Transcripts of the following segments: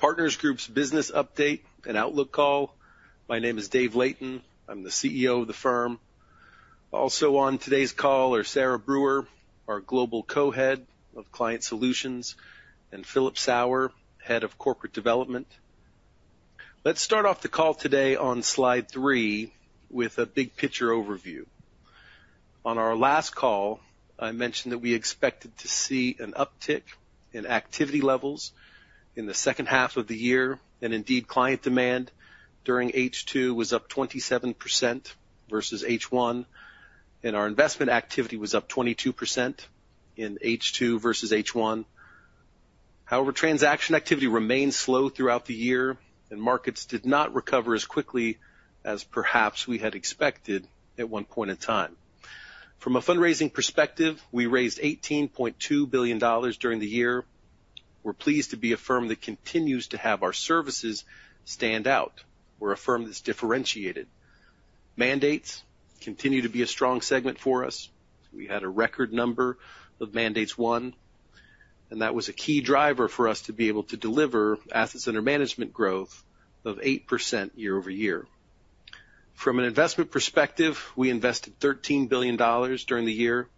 Partners Group's business update and outlook call. My name is Dave Layton. I'm the CEO of the firm. Also on today's call are Sarah Brewer, our Global Co-Head of Client Solutions, and Philip Sauer, Head of Corporate Development. Let's start off the call today on slide three, with a big picture overview. On our last call, I mentioned that we expected to see an uptick in activity levels in the second half of the year, and indeed, client demand during H2 was up 27% versus H1, and our investment activity was up 22% in H2 versus H1. However, transaction activity remained slow throughout the year, and markets did not recover as quickly as perhaps we had expected at one point in time. From a fundraising perspective, we raised $18.2 billion during the year. We're pleased to be a firm that continues to have our services stand out. We're a firm that's differentiated. Mandates continue to be a strong segment for us. We had a record number of mandates won, and that was a key driver for us to be able to deliver assets under management growth of 8% year-over-year. From an investment perspective, we invested $13 billion during the year.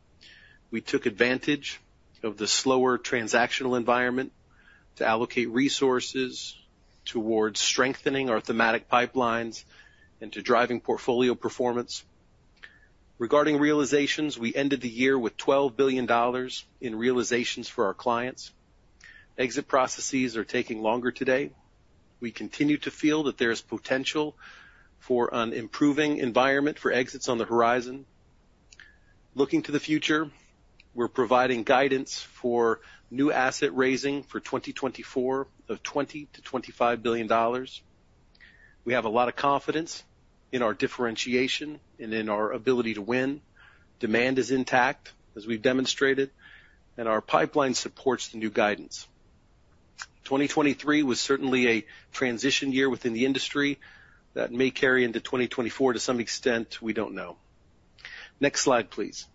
We took advantage of the slower transactional environment to allocate resources towards strengthening our thematic pipelines into driving portfolio performance. Regarding realizations, we ended the year with $12 billion in realizations for our clients. Exit processes are taking longer today. We continue to feel that there is potential for an improving environment for exits on the horizon. Looking to the future, we're providing guidance for new asset raising for 2024 of $20 billion-$25 billion. We have a lot of confidence in our differentiation and in our ability to win. Demand is intact, as we've demonstrated, and our pipeline supports the new guidance. 2023 was certainly a transition year within the industry. That may carry into 2024 to some extent, we don't know. Next slide, please.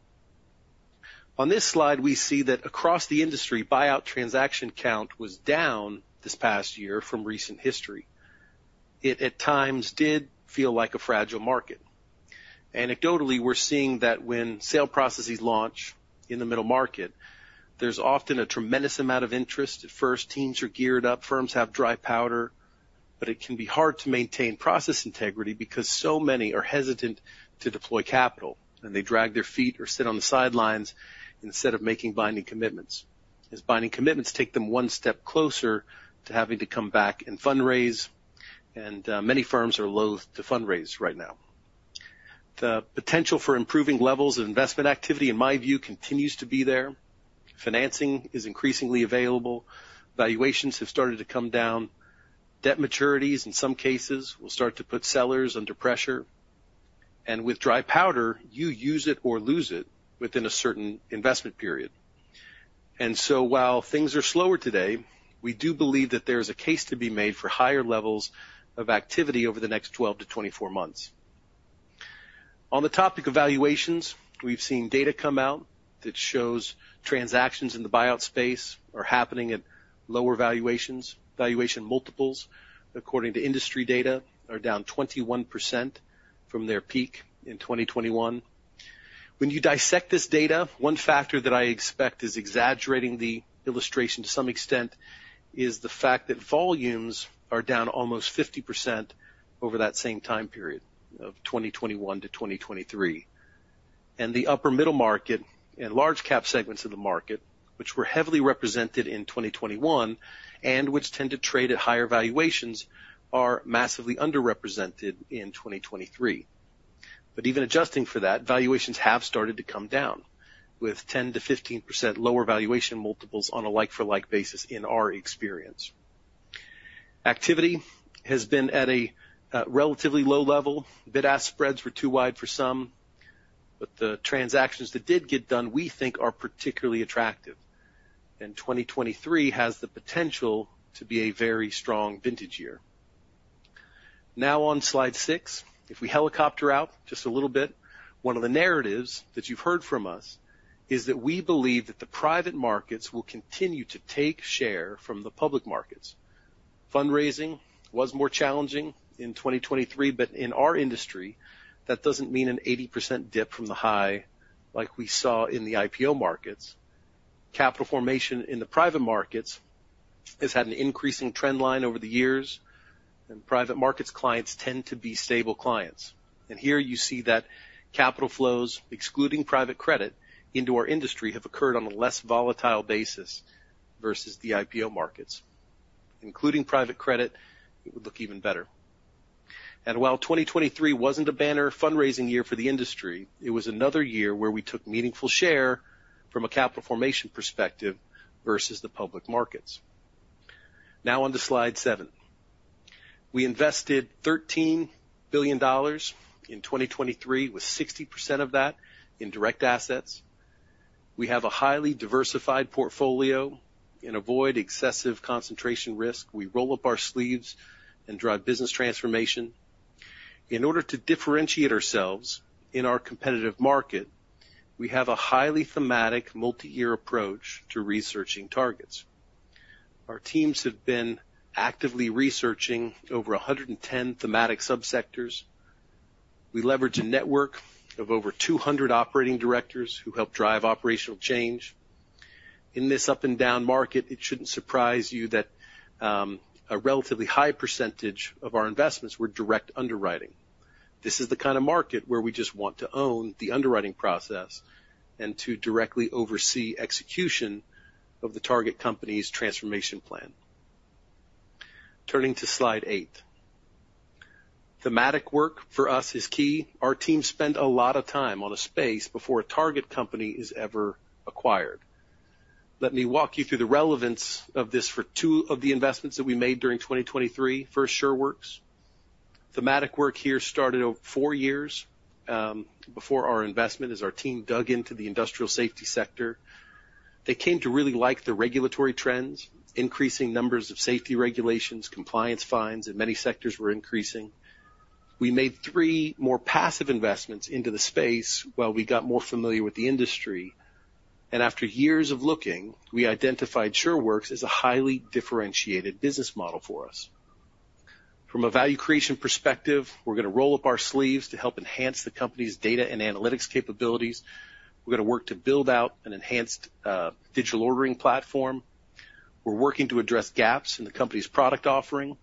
On this slide, we see that across the industry, buyout transaction count was down this past year from recent history. It, at times, did feel like a fragile market. Anecdotally, we're seeing that when sale processes launch in the middle market, there's often a tremendous amount of interest. At first, teams are geared up, firms have dry powder, but it can be hard to maintain process integrity because so many are hesitant to deploy capital, and they drag their feet or sit on the sidelines instead of making binding commitments, as binding commitments take them one step closer to having to come back and fundraise, and many firms are loath to fundraise right now. The potential for improving levels of investment activity, in my view, continues to be there. Financing is increasingly available. Valuations have started to come down. Debt maturities, in some cases, will start to put sellers under pressure. And with dry powder, you use it or lose it within a certain investment period. And so while things are slower today, we do believe that there is a case to be made for higher levels of activity over the next 12-24 months. On the topic of valuations, we've seen data come out that shows transactions in the buyout space are happening at lower valuations. Valuation multiples, according to industry data, are down 21% from their peak in 2021. When you dissect this data, one factor that I expect is exaggerating the illustration to some extent, is the fact that volumes are down almost 50% over that same time period of 2021-2023. And the upper middle market and large cap segments of the market, which were heavily represented in 2021, and which tend to trade at higher valuations, are massively underrepresented in 2023. But even adjusting for that, valuations have started to come down, with 10%-15% lower valuation multiples on a like-for-like basis, in our experience. Activity has been at a relatively low level. Bid-ask spreads were too wide for some, but the transactions that did get done, we think are particularly attractive, and 2023 has the potential to be a very strong vintage year. Now on slide six, if we helicopter out just a little bit, one of the narratives that you've heard from us is that we believe that the private markets will continue to take share from the public markets. Fundraising was more challenging in 2023, but in our industry, that doesn't mean an 80% dip from the high like we saw in the IPO markets. Capital formation in the private markets has had an increasing trend line over the years, and private markets clients tend to be stable clients. Here you see that capital flows, excluding private credit, into our industry, have occurred on a less volatile basis versus the IPO markets. Including private credit, it would look even better. While 2023 wasn't a banner fundraising year for the industry, it was another year where we took meaningful share from a capital formation perspective versus the public markets. Now on to slide seven. We invested $13 billion in 2023, with 60% of that in direct assets. We have a highly diversified portfolio and avoid excessive concentration risk. We roll up our sleeves and drive business transformation. In order to differentiate ourselves in our competitive market, we have a highly thematic, multi-year approach to researching targets. Our teams have been actively researching over 110 thematic subsectors. We leverage a network of over 200 operating directors who help drive operational change. In this up-and-down market, it shouldn't surprise you that a relatively high percentage of our investments were direct underwriting. This is the kind of market where we just want to own the underwriting process and to directly oversee execution of the target company's transformation plan. Turning to slide eight. Thematic work for us is key. Our team spent a lot of time on a space before a target company is ever acquired. Let me walk you through the relevance of this for two of the investments that we made during 2023. First, SureWerx. Thematic work here started over four years before our investment, as our team dug into the industrial safety sector. They came to really like the regulatory trends, increasing numbers of safety regulations, compliance fines, and many sectors were increasing. We made three more passive investments into the space while we got more familiar with the industry, and after years of looking, we identified SureWerx as a highly differentiated business model for us. From a value creation perspective, we're going to roll up our sleeves to help enhance the company's data and analytics capabilities. We're going to work to build out an enhanced, digital ordering platform. We're working to address gaps in the company's product offering,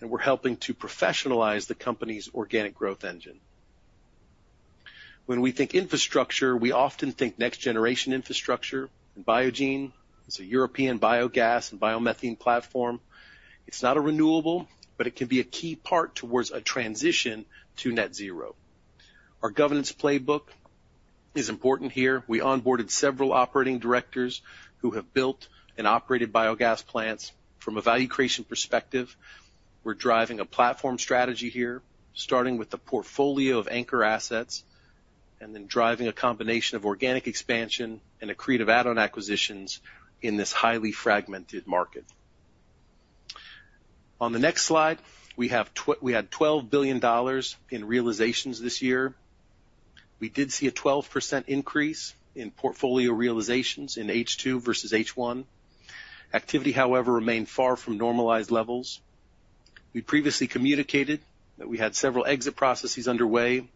and we're helping to professionalize the company's organic growth engine. When we think infrastructure, we often think next-generation infrastructure. Biogeen is a European biogas and biomethane platform. It's not a renewable, but it can be a key part towards a transition to net 0. Our governance playbook is important here. We onboarded several operating directors who have built and operated biogas plants. From a value creation perspective, we're driving a platform strategy here, starting with the portfolio of anchor assets, and then driving a combination of organic expansion and accretive add-on acquisitions in this highly fragmented market. On the next slide, we had $12 billion in realizations this year. We did see a 12% increase in portfolio realizations in H2 versus H1. Activity, however, remained far from normalized levels. We previously communicated that we had several exit processes underway.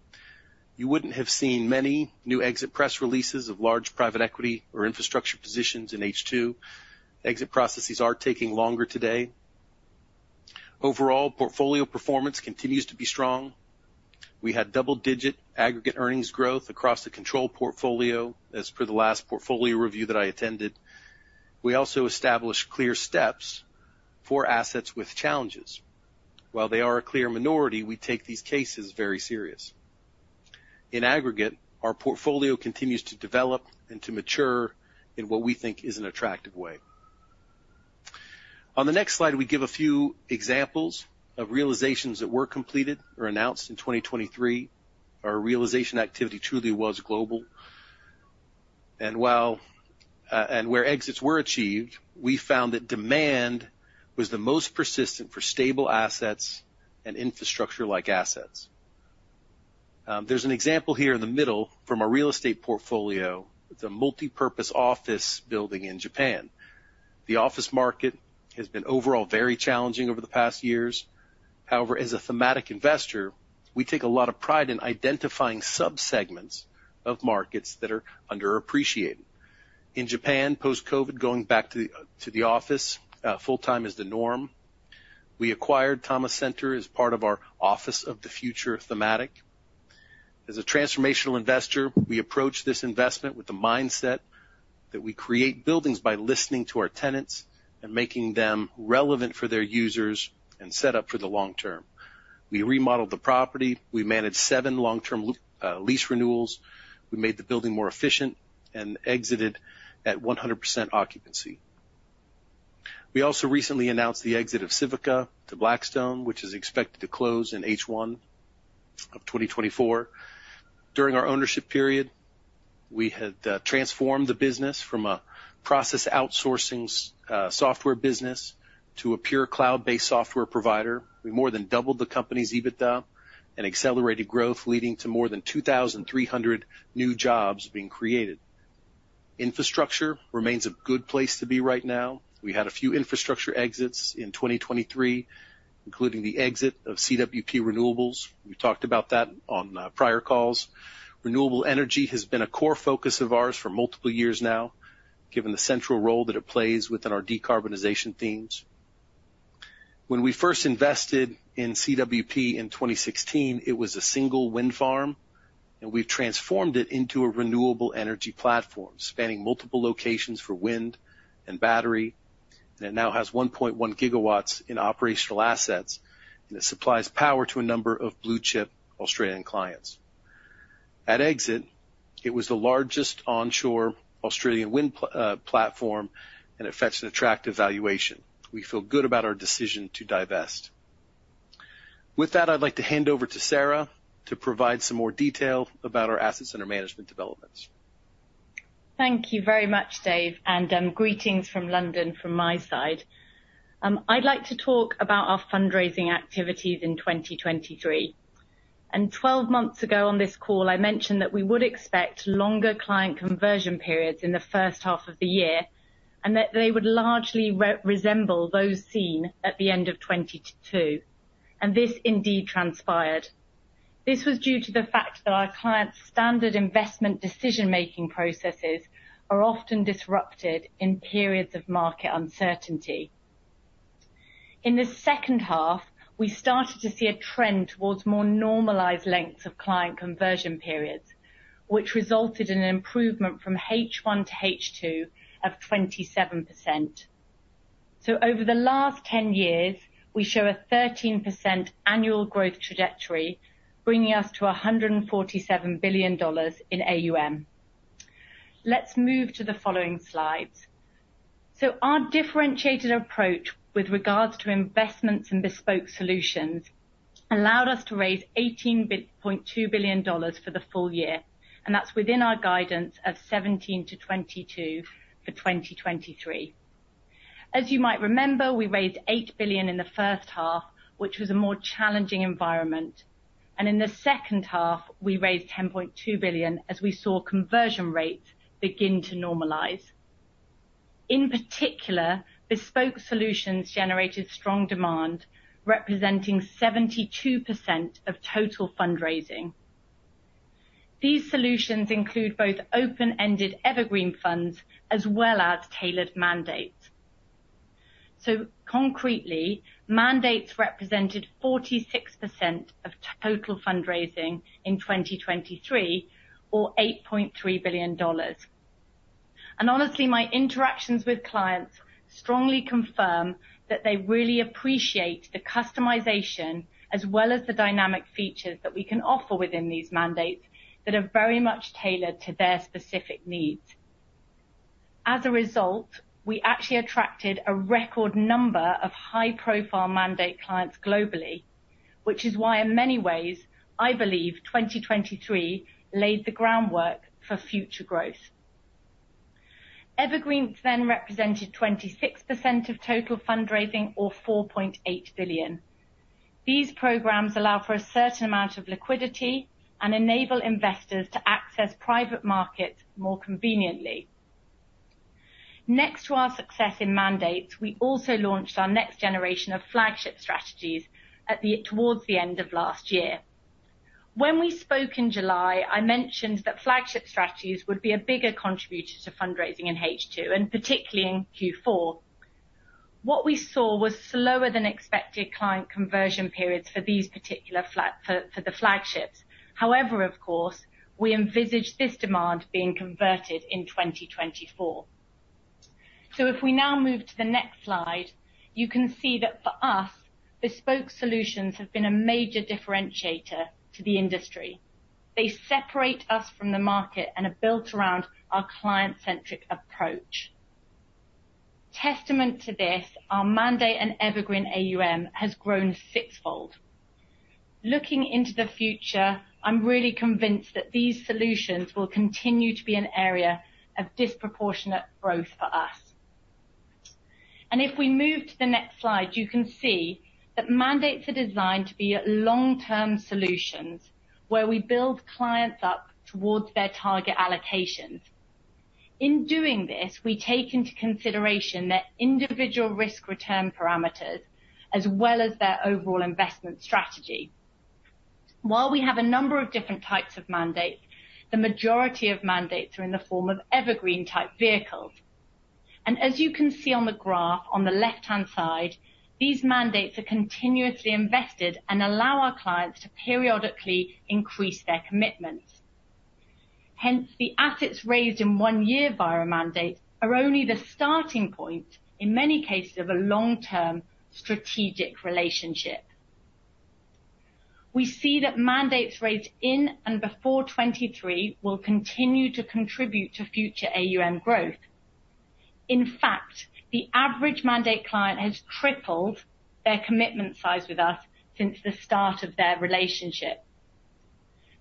You wouldn't have seen many new exit press releases of large private equity or infrastructure positions in H2. Exit processes are taking longer today. Overall, portfolio performance continues to be strong. We had double-digit aggregate earnings growth across the control portfolio as per the last portfolio review that I attended. We also established clear steps for assets with challenges. While they are a clear minority, we take these cases very serious. In aggregate, our portfolio continues to develop and to mature in what we think is an attractive way. On the next slide, we give a few examples of realizations that were completed or announced in 2023. Our realization activity truly was global. And while, and where exits were achieved, we found that demand was the most persistent for stable assets and infrastructure-like assets. There's an example here in the middle from a real estate portfolio. It's a multipurpose office building in Japan. The office market has been overall very challenging over the past years. However, as a thematic investor, we take a lot of pride in identifying subsegments of markets that are underappreciated. In Japan, post-COVID, going back to the office full-time is the norm. We acquired Tama Center as part of our Office of the Future thematic. As a transformational investor, we approach this investment with the mindset that we create buildings by listening to our tenants and making them relevant for their users and set up for the long term. We remodeled the property, we managed seven long-term lease renewals. We made the building more efficient and exited at 100% occupancy. We also recently announced the exit of Civica to Blackstone, which is expected to close in H1 of 2024. During our ownership period, we had transformed the business from a process outsourcing software business to a pure cloud-based software provider. We more than doubled the company's EBITDA and accelerated growth, leading to more than 2,300 new jobs being created. Infrastructure remains a good place to be right now. We had a few infrastructure exits in 2023, including the exit of CWP Renewables. We talked about that on prior calls. Renewable energy has been a core focus of ours for multiple years now, given the central role that it plays within our decarbonization themes. When we first invested in CWP in 2016, it was a single wind farm, and we've transformed it into a renewable energy platform, spanning multiple locations for wind and battery. And it now has 1.1 GW in operational assets, and it supplies power to a number of blue-chip Australian clients. At exit, it was the largest onshore Australian wind platform, and it fetched an attractive valuation. We feel good about our decision to divest. With that, I'd like to hand over to Sarah to provide some more detail about our assets and our management developments.... Thank you very much, Dave, and greetings from London from my side. I'd like to talk about our fundraising activities in 2023. Twelve months ago on this call, I mentioned that we would expect longer client conversion periods in the first half of the year, and that they would largely resemble those seen at the end of 2022, and this indeed transpired. This was due to the fact that our clients' standard investment decision-making processes are often disrupted in periods of market uncertainty. In the second half, we started to see a trend towards more normalized lengths of client conversion periods, which resulted in an improvement from H1 to H2 of 27%. Over the last 10 years, we show a 13% annual growth trajectory, bringing us to $147 billion in AUM. Let's move to the following slides. So our differentiated approach with regards to investments and Bespoke solutions, allowed us to raise $18.2 billion for the full year, and that's within our guidance of $17 billion-$22 billion for 2023. As you might remember, we raised $8 billion in the first half, which was a more challenging environment, and in the second half, we raised $10.2 billion, as we saw conversion rates begin to normalize. In particular, Bespoke solutions generated strong demand, representing 72% of total fundraising. These solutions include both open-ended Evergreens funds as well as tailored mandates. So concretely, mandates represented 46% of total fundraising in 2023 or $8.3 billion. And honestly, my interactions with clients strongly confirm that they really appreciate the customization as well as the dynamic features that we can offer within these mandates, that are very much tailored to their specific needs. As a result, we actually attracted a record number of high-profile mandate clients globally, which is why, in many ways, I believe 2023 laid the groundwork for future growth. Evergreens then represented 26% of total fundraising or $4.8 billion. These programs allow for a certain amount of liquidity and enable investors to access private markets more conveniently. Next to our success in mandates, we also launched our next generation of flagship strategies towards the end of last year. When we spoke in July, I mentioned that flagship strategies would be a bigger contributor to fundraising in H2, and particularly in Q4. What we saw was slower than expected client conversion periods for these particular flagships. However, of course, we envisage this demand being converted in 2024. So if we now move to the next slide, you can see that for us, Bespoke solutions have been a major differentiator to the industry. They separate us from the market and are built around our client-centric approach. Testament to this, our mandate and Evergreens AUM has grown six-fold. Looking into the future, I'm really convinced that these solutions will continue to be an area of disproportionate growth for us. And if we move to the next slide, you can see that mandates are designed to be a long-term solutions, where we build clients up towards their target allocations. In doing this, we take into consideration their individual risk-return parameters, as well as their overall investment strategy. While we have a number of different types of mandates, the majority of mandates are in the form of Evergreens-type vehicles. As you can see on the graph on the left-hand side, these mandates are continuously invested and allow our clients to periodically increase their commitments. Hence, the assets raised in one year via a mandate are only the starting point, in many cases, of a long-term strategic relationship. We see that mandates raised in and before 2023 will continue to contribute to future AUM growth. In fact, the average mandate client has tripled their commitment size with us since the start of their relationship.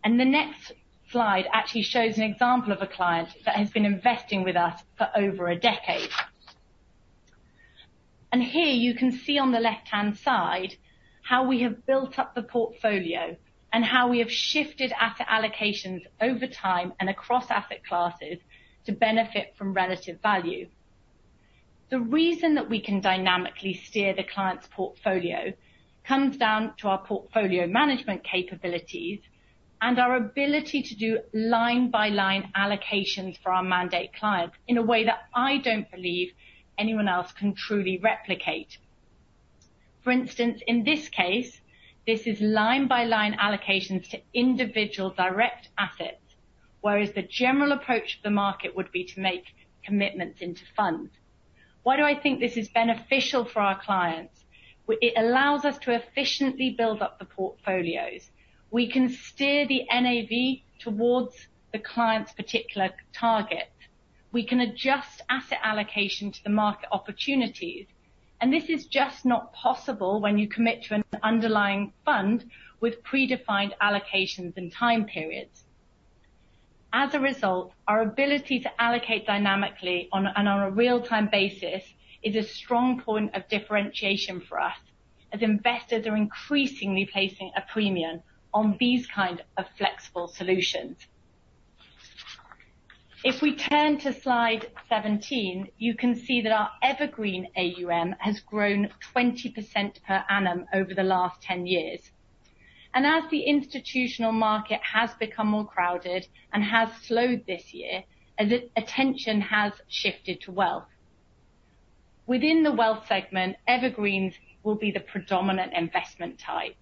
The next slide actually shows an example of a client that has been investing with us for over a decade. And here you can see on the left-hand side, how we have built up the portfolio and how we have shifted asset allocations over time and across asset classes to benefit from relative value. The reason that we can dynamically steer the client's portfolio comes down to our portfolio management capabilities and our ability to do line-by-line allocations for our mandate clients in a way that I don't believe anyone else can truly replicate. For instance, in this case, this is line-by-line allocations to individual direct assets, whereas the general approach to the market would be to make commitments into funds. Why do I think this is beneficial for our clients? It allows us to efficiently build up the portfolios. We can steer the NAV towards the client's particular target. We can adjust asset allocation to the market opportunities.... This is just not possible when you commit to an underlying fund with predefined allocations and time periods. As a result, our ability to allocate dynamically on a real-time basis is a strong point of differentiation for us, as investors are increasingly placing a premium on these kind of flexible solutions. If we turn to slide 17, you can see that our Evergreens AUM has grown 20% per annum over the last 10 years. As the institutional market has become more crowded and has slowed this year, as attention has shifted to wealth. Within the wealth segment, Evergreens will be the predominant investment type,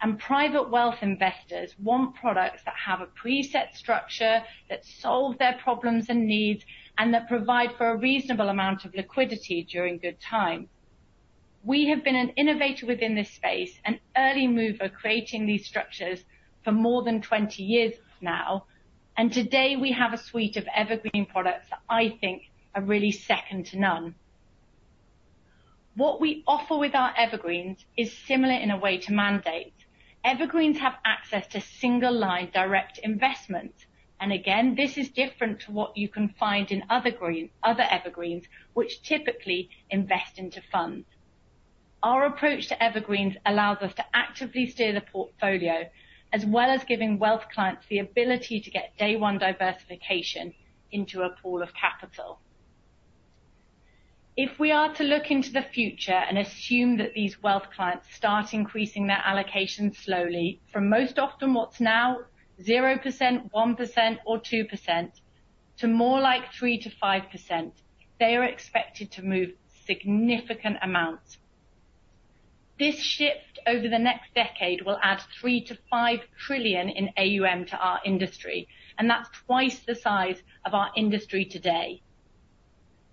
and private wealth investors want products that have a preset structure, that solve their problems and needs, and that provide for a reasonable amount of liquidity during good time. We have been an innovator within this space, an early mover, creating these structures for more than 20 years now, and today we have a suite of Evergreens products that I think are really second to none. What we offer with our Evergreens is similar in a way to mandate. Evergreens have access to single-line direct investments, and again, this is different to what you can find in other Evergreens, which typically invest into funds. Our approach to Evergreens allows us to actively steer the portfolio, as well as giving wealth clients the ability to get day one diversification into a pool of capital. If we are to look into the future and assume that these wealth clients start increasing their allocation slowly, from most often what's now 0%, 1% or 2%, to more like 3%-5%, they are expected to move significant amounts. This shift over the next decade will add $3-5 trillion in AUM to our industry, and that's twice the size of our industry today.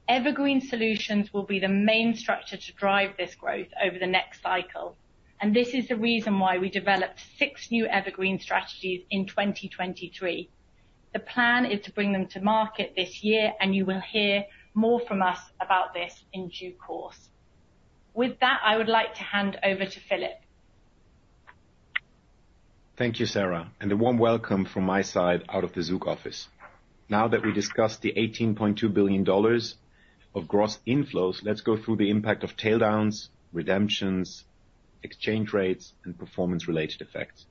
Evergreens Solutions will be the main structure to drive this growth over the next cycle, and this is the reason why we developed six new Evergreens strategies in 2023. The plan is to bring them to market this year, and you will hear more from us about this in due course. With that, I would like to hand over to Philip. Thank you, Sarah, and a warm welcome from my side out of the Zug office. Now that we discussed the $18.2 billion of gross inflows, let's go through the impact of taildowns, redemptions, exchange rates, and performance-related effects.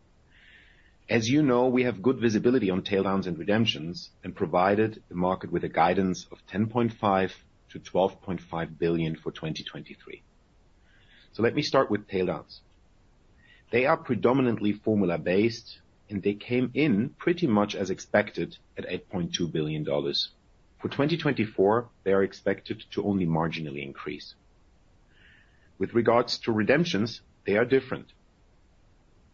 As you know, we have good visibility on taildowns and redemptions, and provided the market with a guidance of $10.5 billion-$12.5 billion for 2023. Let me start with taildowns. They are predominantly formula-based, and they came in pretty much as expected at $8.2 billion. For 2024, they are expected to only marginally increase. With regards to redemptions, they are different.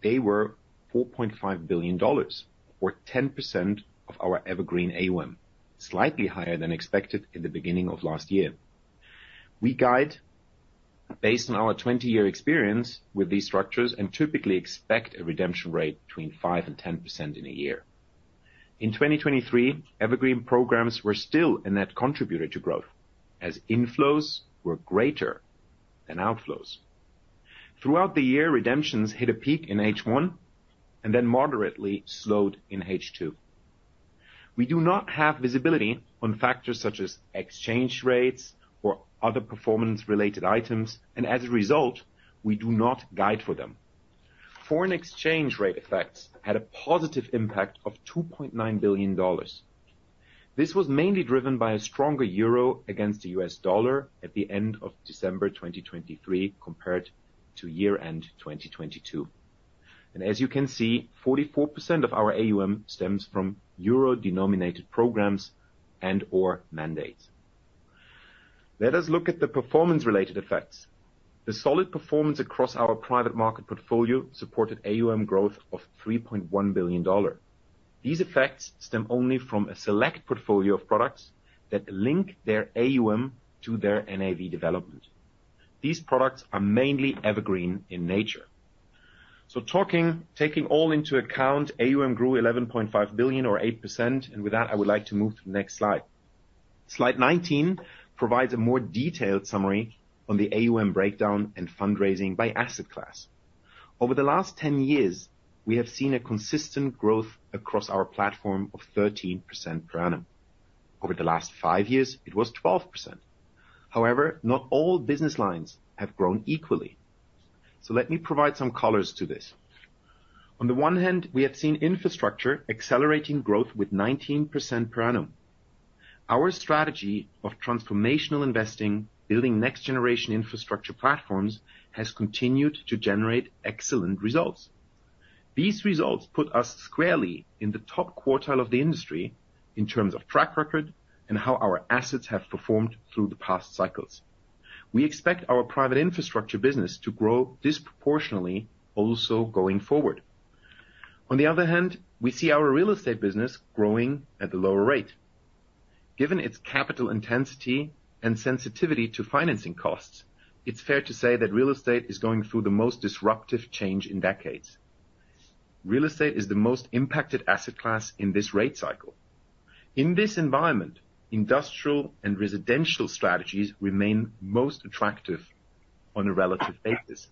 They were $4.5 billion, or 10% of our Evergreens AUM, slightly higher than expected in the beginning of last year. We guide based on our 20-year experience with these structures and typically expect a redemption rate between 5%-10% in a year. In 2023, Evergreens programs were still a net contributor to growth, as inflows were greater than outflows. Throughout the year, redemptions hit a peak in H1 and then moderately slowed in H2. We do not have visibility on factors such as exchange rates or other performance-related items, and as a result, we do not guide for them. Foreign exchange rate effects had a positive impact of $2.9 billion. This was mainly driven by a stronger euro against the U.S. dollar at the end of December 2023, compared to year-end 2022. As you can see, 44% of our AUM stems from euro-denominated programs and/or mandates. Let us look at the performance-related effects. The solid performance across our private market portfolio supported AUM growth of $3.1 billion. These effects stem only from a select portfolio of products that link their AUM to their NAV development. These products are mainly Evergreens in nature. So taking all into account, AUM grew $11.5 billion or 8%, and with that, I would like to move to the next slide. Slide 19 provides a more detailed summary on the AUM breakdown and fundraising by asset class. Over the last 10 years, we have seen a consistent growth across our platform of 13% per annum. Over the last five years, it was 12%. However, not all business lines have grown equally. So let me provide some colors to this. On the one hand, we have seen infrastructure accelerating growth with 19% per annum. Our strategy of transformational investing, building next-generation infrastructure platforms, has continued to generate excellent results. These results put us squarely in the top quartile of the industry in terms of track record and how our assets have performed through the past cycles. We expect our private infrastructure business to grow disproportionately also going forward. On the other hand, we see our real estate business growing at a lower rate. Given its capital intensity and sensitivity to financing costs, it's fair to say that real estate is going through the most disruptive change in decades. Real estate is the most impacted asset class in this rate cycle. In this environment, industrial and residential strategies remain most attractive on a relative basis.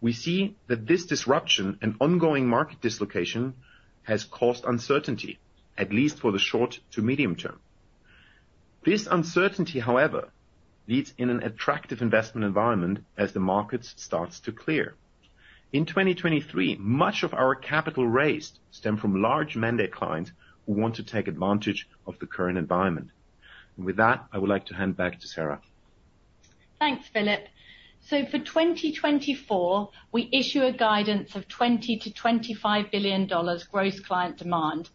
We see that this disruption and ongoing market dislocation has caused uncertainty, at least for the short to medium term. This uncertainty, however, leads in an attractive investment environment as the market starts to clear. In 2023, much of our capital raised stem from large mandate clients who want to take advantage of the current environment. With that, I would like to hand back to Sarah. Thanks, Philip. So for 2024, we issue a guidance of $20 billion-$25 billion gross client demand,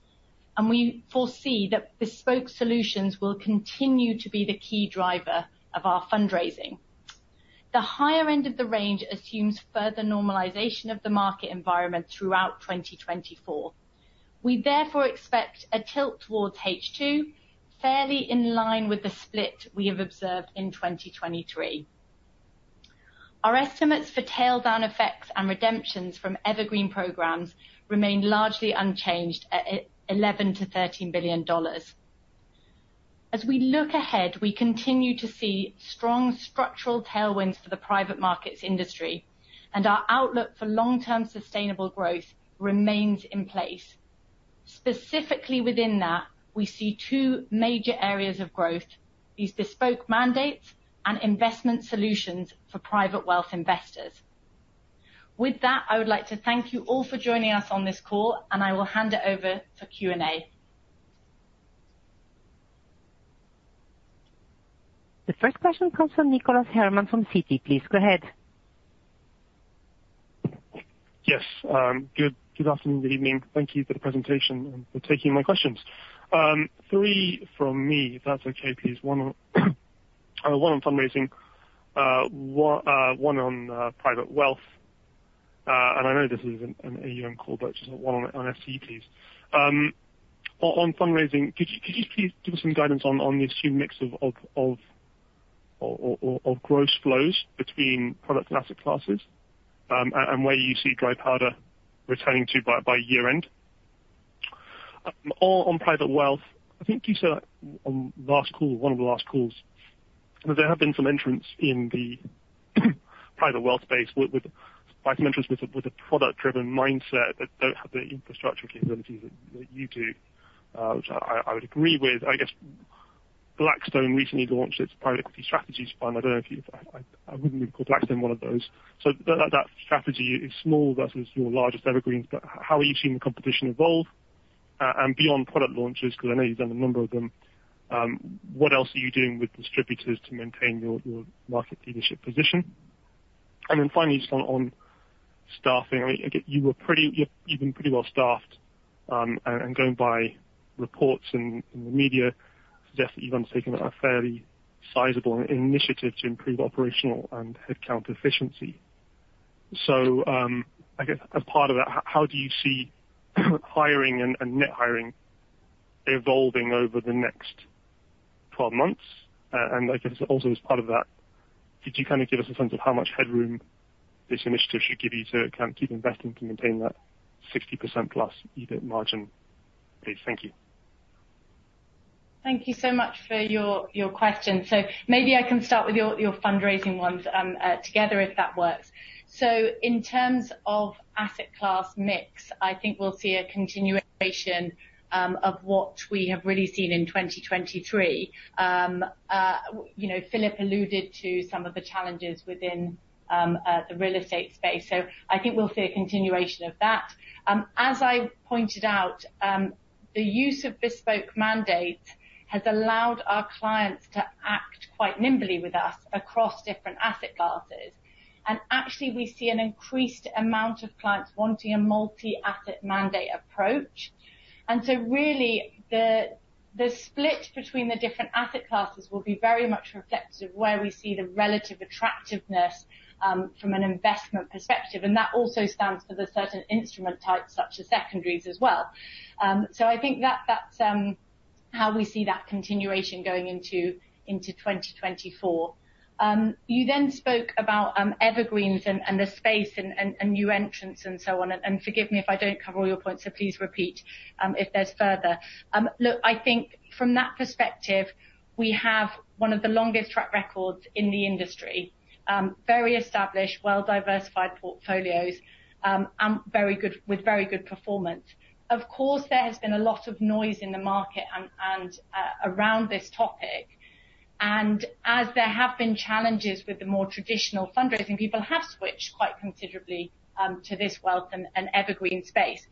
and we foresee that Bespoke Solutions will continue to be the key driver of our fundraising. The higher end of the range assumes further normalization of the market environment throughout 2024. We therefore expect a tilt towards H2, fairly in line with the split we have observed in 2023. Our estimates for tail-down effects and redemptions from Evergreens programs remain largely unchanged at $11 billion-$13 billion. As we look ahead, we continue to see strong structural tailwinds for the private markets industry, and our outlook for long-term sustainable growth remains in place. Specifically within that, we see two major areas of growth, these Bespoke mandates and investment solutions for private wealth investors. With that, I would like to thank you all for joining us on this call, and I will hand it over for Q&A. The first question comes from Nicholas Herman from Citi. Please, go ahead. Yes, good. Good afternoon, good evening. Thank you for the presentation and for taking my questions. Three from me, if that's okay, please. One on, one on fundraising, one, one on, private wealth. And I know this is an AUM call, but just one on FC, please. On, on fundraising, could you, could you please give us some guidance on, on the assumed mix of, of, of, or, or, of gross flows between product and asset classes, and, and where you see dry powder returning to by, by year end? On private wealth, I think you said on last call, one of the last calls, that there have been some entrants in the private wealth space with quite some entrants with a product-driven mindset that don't have the infrastructure capabilities that you do, which I would agree with. I guess Blackstone recently launched its Private Equity Strategies Fund. I don't know if you... I wouldn't really call Blackstone one of those. So that strategy is small versus your largest Evergreens. But how are you seeing the competition evolve, and beyond product launches? Because I know you've done a number of them. What else are you doing with distributors to maintain your market leadership position? And then finally, just on staffing. I mean, again, you were pretty... You've been pretty well staffed, and going by reports in the media, suggest that you've undertaken a fairly sizable initiative to improve operational and headcount efficiency. So, I guess a part of that, how do you see hiring and net hiring evolving over the next 12 months? And I guess also as part of that, could you kind of give us a sense of how much headroom this initiative should give you to kind of keep investing to maintain that 60%+ EBIT margin, please? Thank you. Thank you so much for your, your question. So maybe I can start with your, your fundraising ones, together, if that works. So in terms of asset class mix, I think we'll see a continuation of what we have really seen in 2023. You know, Philip alluded to some of the challenges within the real estate space, so I think we'll see a continuation of that. As I pointed out, the use of Bespoke mandates has allowed our clients to act quite nimbly with us across different asset classes. And actually, we see an increased amount of clients wanting a multi-asset mandate approach. And so really, the split between the different asset classes will be very much reflective of where we see the relative attractiveness, from an investment perspective, and that also stands for certain instrument types, such as secondaries as well. So I think that's how we see that continuation going into 2024. You then spoke about Evergreens and the space and new entrants and so on. And forgive me if I don't cover all your points, so please repeat if there's further. Look, I think from that perspective, we have one of the longest track records in the industry. Very established, well-diversified portfolios, and very good with very good performance. Of course, there has been a lot of noise in the market and around this topic. As there have been challenges with the more traditional fundraising, people have switched quite considerably to this wealth and Evergreens space.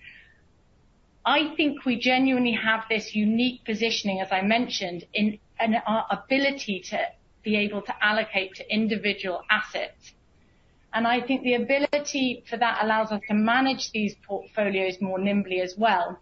I think we genuinely have this unique positioning, as I mentioned, in our ability to be able to allocate to individual assets. And I think the ability for that allows us to manage these portfolios more nimbly as well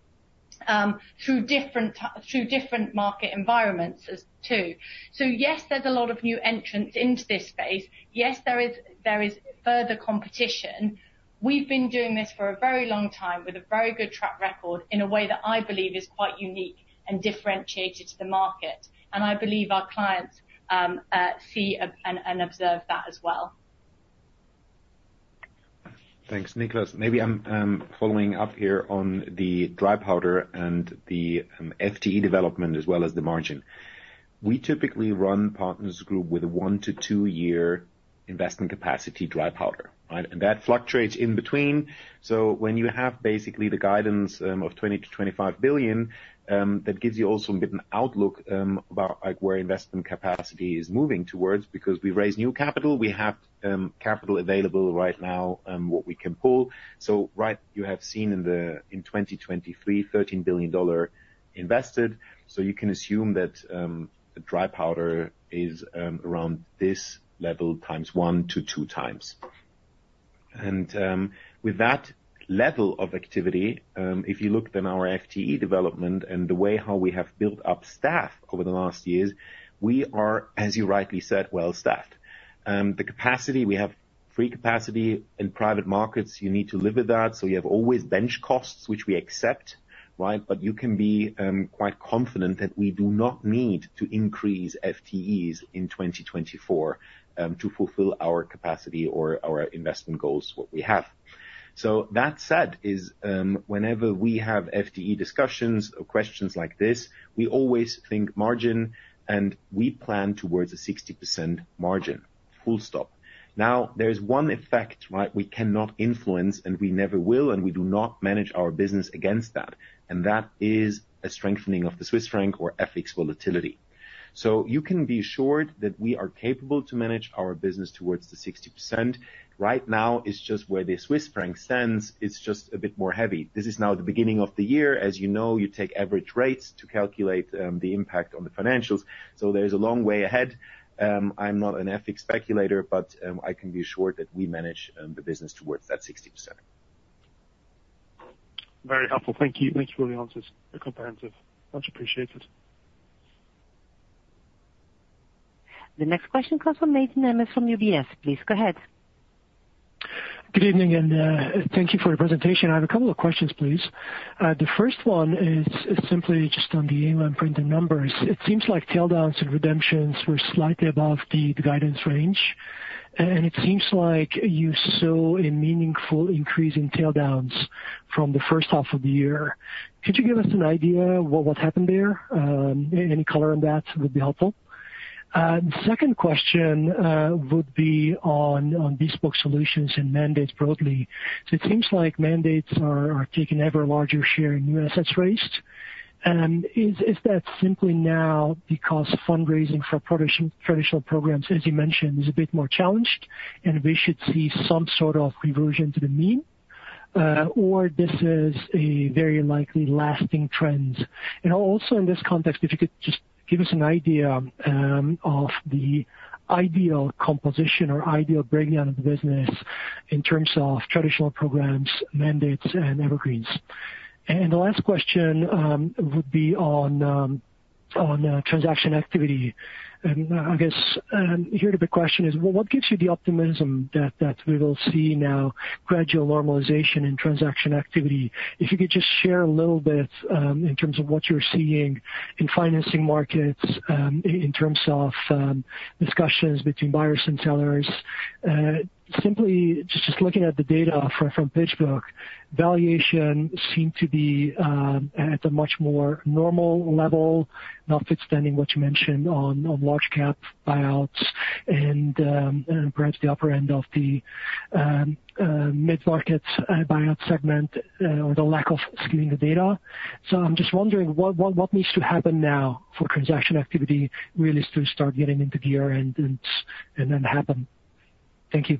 through different market environments as too. So yes, there's a lot of new entrants into this space. Yes, there is further competition. We've been doing this for a very long time, with a very good track record, in a way that I believe is quite unique and differentiated to the market. And I believe our clients see and observe that as well.... Thanks, Nicholas. Maybe I'm following up here on the dry powder and the FTE development as well as the margin. We typically run Partners Group with a one to two year investment capacity dry powder, right? And that fluctuates in between. So when you have basically the guidance of $20 billion-$25 billion, that gives you also a bit an outlook about, like, where investment capacity is moving towards. Because we raise new capital, we have capital available right now, what we can pull. So right, you have seen in 2023, $13 billion invested, so you can assume that the dry powder is around this level, times one to two times. With that level of activity, if you looked in our FTE development and the way how we have built up staff over the last years, we are, as you rightly said, well staffed. The capacity, we have free capacity in private markets. You need to live with that, so you have always bench costs, which we accept, right? But you can be quite confident that we do not need to increase FTEs in 2024 to fulfill our capacity or our investment goals, what we have. So that said, whenever we have FTE discussions or questions like this, we always think margin, and we plan towards a 60% margin, full stop. Now, there is one effect, right, we cannot influence, and we never will, and we do not manage our business against that, and that is a strengthening of the Swiss franc or FX volatility. So you can be assured that we are capable to manage our business towards the 60%. Right now, it's just where the Swiss franc stands. It's just a bit more heavy. This is now the beginning of the year. As you know, you take average rates to calculate, the impact on the financials, so there is a long way ahead. I'm not an FX speculator, but, I can be assured that we manage, the business towards that 60%. Very helpful. Thank you. Thank you for the answers. They're comprehensive. Much appreciated. The next question comes from Mate Nemes from UBS. Please go ahead. Good evening, and thank you for your presentation. I have a couple of questions, please. The first one is simply just on the AUM printing numbers. It seems like tail-downs and redemptions were slightly above the guidance range, and it seems like you saw a meaningful increase in tail-downs from the first half of the year. Could you give us an idea of what happened there? Any color on that would be helpful. The second question would be on Bespoke Solutions and Mandates broadly. So it seems like mandates are taking ever larger share in new assets raised. And is that simply now because fundraising for traditional programs, as you mentioned, is a bit more challenged, and we should see some sort of reversion to the mean, or this is a very likely lasting trend? Also in this context, if you could just give us an idea of the ideal composition or ideal breakdown of the business in terms of traditional programs, mandates, and Evergreens. The last question would be on transaction activity. I guess, and here the big question is: Well, what gives you the optimism that we will see now gradual normalization in transaction activity? If you could just share a little bit in terms of what you're seeing in financing markets, in terms of discussions between buyers and sellers? Simply just looking at the data from PitchBook, valuation seemed to be at a much more normal level, notwithstanding what you mentioned on large cap buyouts and perhaps the upper end of the mid-market buyout segment, or the lack of seeing the data. So I'm just wondering what needs to happen now for transaction activity really to start getting into gear and then happen? Thank you.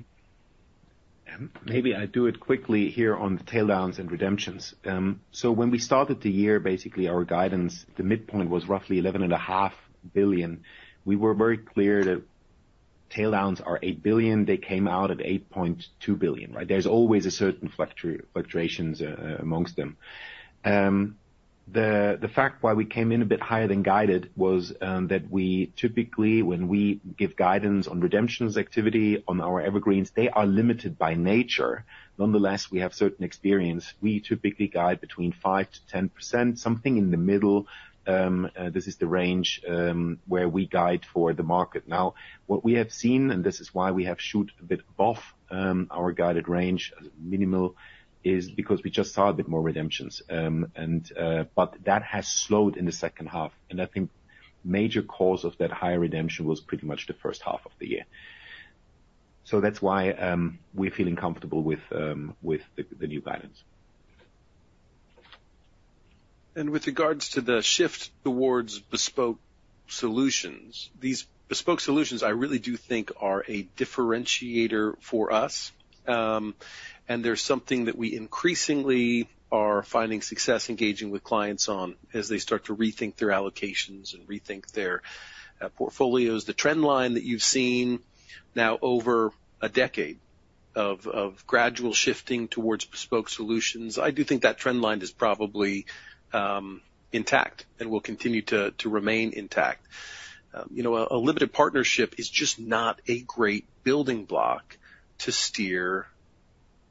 Maybe I do it quickly here on the tail downs and redemptions. So when we started the year, basically our guidance, the midpoint was roughly $11.5 billion. We were very clear that tail downs are $8 billion. They came out at $8.2 billion, right? There's always a certain fluctuations amongst them. The fact why we came in a bit higher than guided was, that we typically, when we give guidance on redemptions activity on our Evergreens, they are limited by nature. Nonetheless, we have certain experience. We typically guide between 5%-10%, something in the middle. This is the range, where we guide for the market. Now, what we have seen, and this is why we have shot a bit above our guided range, mainly, is because we just saw a bit more redemptions. But that has slowed in the second half, and I think major cause of that higher redemption was pretty much the first half of the year. So that's why we're feeling comfortable with the new guidance. With regards to the shift towards Bespoke Solutions, these Bespoke Solutions I really do think are a differentiator for us. And they're something that we increasingly are finding success engaging with clients on as they start to rethink their allocations and rethink their portfolios. The trend line that you've seen now over a decade of gradual shifting towards Bespoke Solutions, I do think that trend line is probably intact and will continue to remain intact. You know, a limited partnership is just not a great building block to steer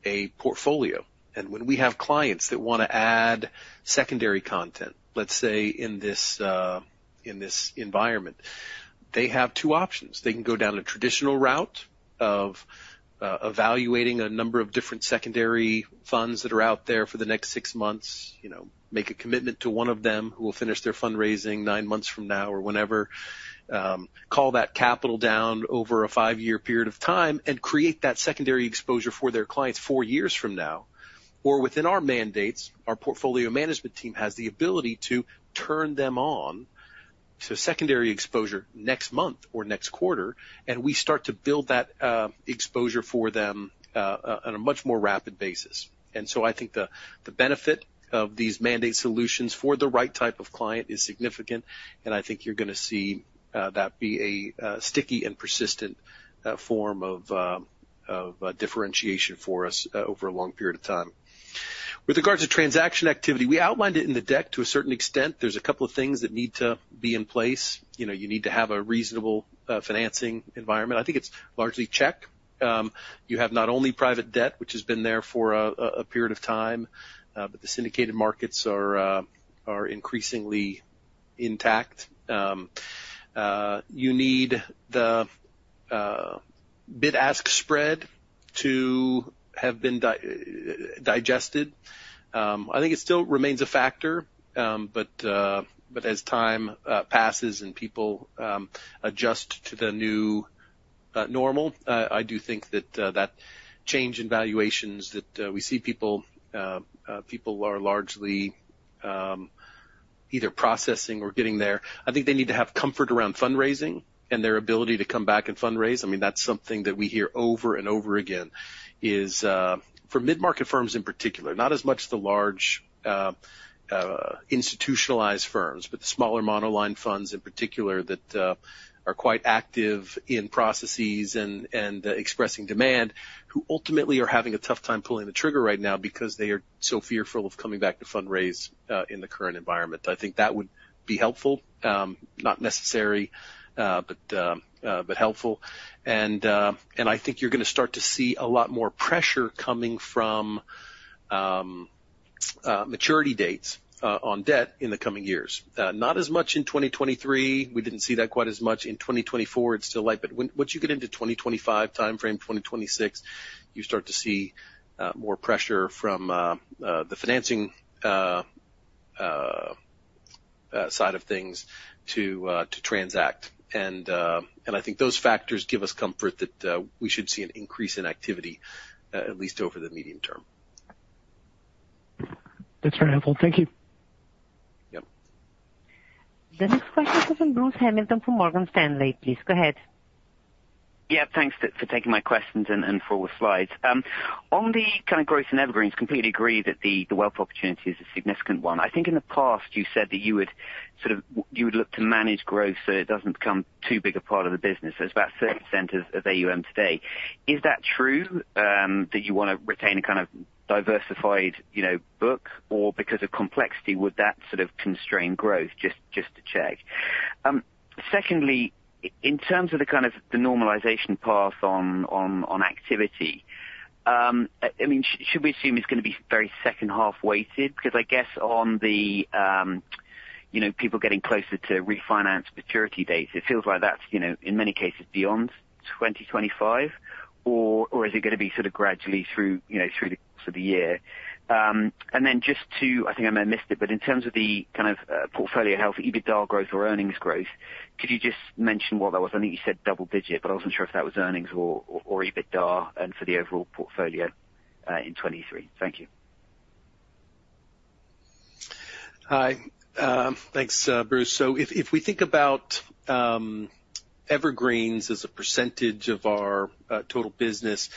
a portfolio. And when we have clients that wanna add secondary content, let's say, in this environment, they have two options. They can go down a traditional route of, evaluating a number of different secondary funds that are out there for the next six months, you know, make a commitment to one of them who will finish their fundraising nine months from now or whenever, call that capital down over a five-year period of time and create that secondary exposure for their clients four years from now, or within our mandates, our portfolio management team has the ability to turn them on to secondary exposure next month or next quarter, and we start to build that, exposure for them, on a much more rapid basis. I think the benefit of these mandate solutions for the right type of client is significant, and I think you're gonna see that be a sticky and persistent form of differentiation for us over a long period of time. With regards to transaction activity, we outlined it in the deck to a certain extent. There's a couple of things that need to be in place. You know, you need to have a reasonable financing environment. I think it's largely check. You have not only private debt, which has been there for a period of time, but the syndicated markets are increasingly intact. You need the bid-ask spread to have been digested. I think it still remains a factor, but as time passes and people adjust to the new normal, I do think that that change in valuations that we see people are largely either processing or getting there. I think they need to have comfort around fundraising and their ability to come back and fundraise. I mean, that's something that we hear over and over again, is, for mid-market firms in particular, not as much the large institutionalized firms, but the smaller monoline funds in particular, that are quite active in processes and expressing demand, who ultimately are having a tough time pulling the trigger right now because they are so fearful of coming back to fundraise in the current environment. I think that would be helpful, not necessary, but helpful. And I think you're gonna start to see a lot more pressure coming from maturity dates on debt in the coming years. Not as much in 2023. We didn't see that quite as much in 2024. It's still light, but once you get into 2025 timeframe, 2026, you start to see more pressure from the financing side of things to transact. And I think those factors give us comfort that we should see an increase in activity at least over the medium term. That's very helpful. Thank you. Yep. The next question is from Bruce Hamilton from Morgan Stanley. Please, go ahead. Yeah, thanks for taking my questions and for all the slides. On the kind of growth in Evergreens, completely agree that the wealth opportunity is a significant one. I think in the past you said that you would sort of you would look to manage growth so it doesn't become too big a part of the business. So it's about 30% of AUM today. Is that true that you wanna retain a kind of diversified, you know, book? Or because of complexity, would that sort of constrain growth? Just to check. Secondly, in terms of the kind of the normalization path on activity, I mean, should we assume it's gonna be very second half weighted? Because I guess on the, you know, people getting closer to refinance maturity dates, it feels like that's, you know, in many cases beyond 2025, or, or is it gonna be sort of gradually through, you know, through the course of the year? And then just to... I think I may have missed it, but in terms of the kind of, portfolio health, EBITDA growth or earnings growth, could you just mention what that was? I think you said double digit, but I wasn't sure if that was earnings or, or, or EBITDA and for the overall portfolio, in 2023. Thank you. Hi. Thanks, Bruce. So if we think about Evergreens as a percentage of our total business,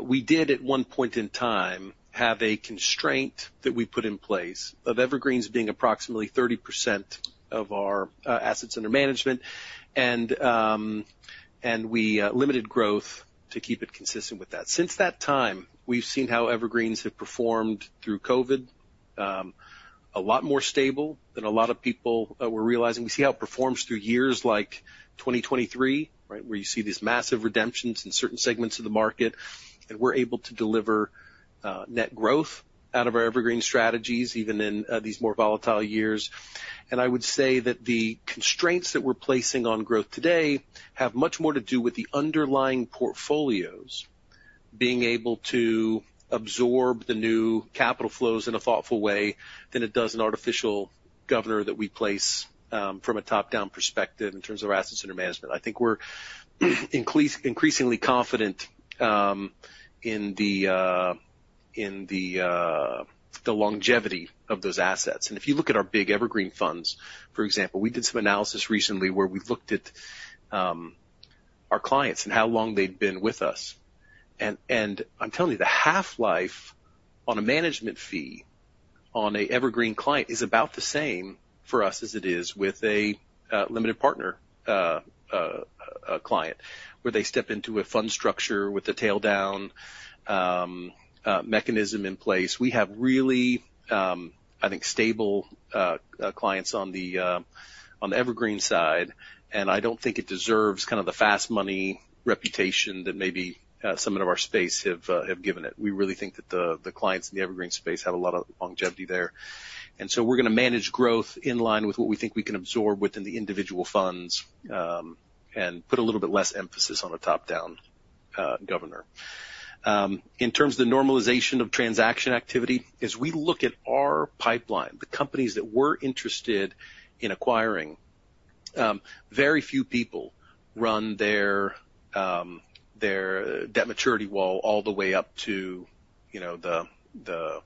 we did at one point in time have a constraint that we put in place of Evergreens being approximately 30% of our assets under management, and we limited growth to keep it consistent with that. Since that time, we've seen how Evergreens have performed through COVID, a lot more stable than a lot of people were realizing. We see how it performs through years like 2023, right? Where you see these massive redemptions in certain segments of the market, and we're able to deliver net growth out of our Evergreens strategies, even in these more volatile years. And I would say that the constraints that we're placing on growth today have much more to do with the underlying portfolios being able to absorb the new capital flows in a thoughtful way than it does an artificial governor that we place from a top-down perspective in terms of assets under management. I think we're increasingly confident in the longevity of those assets. And if you look at our big Evergreens funds, for example, we did some analysis recently where we looked at our clients and how long they'd been with us. And I'm telling you, the half-life on a management fee on an Evergreens client is about the same for us as it is with a limited partner client, where they step into a fund structure with a tail down mechanism in place. We have really, I think, stable clients on the on the Evergreens side, and I don't think it deserves kind of the fast money reputation that maybe some in our space have have given it. We really think that the clients in the Evergreens space have a lot of longevity there... And so we're going to manage growth in line with what we think we can absorb within the individual funds, and put a little bit less emphasis on the top-down governor. In terms of the normalization of transaction activity, as we look at our pipeline, the companies that we're interested in acquiring, very few people run their their debt maturity wall all the way up to, you know, the the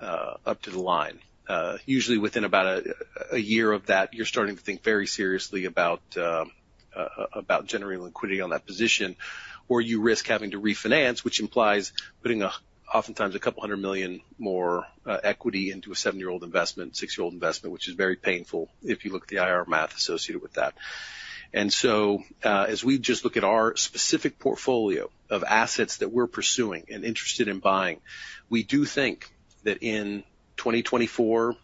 up to the line. Usually within about a year of that, you're starting to think very seriously about generating liquidity on that position, or you risk having to refinance, which implies putting, oftentimes $200 million more equity into a seven-year-old investment, six-year-old investment, which is very painful if you look at the IR math associated with that. And so, as we just look at our specific portfolio of assets that we're pursuing and interested in buying, we do think that in 2024,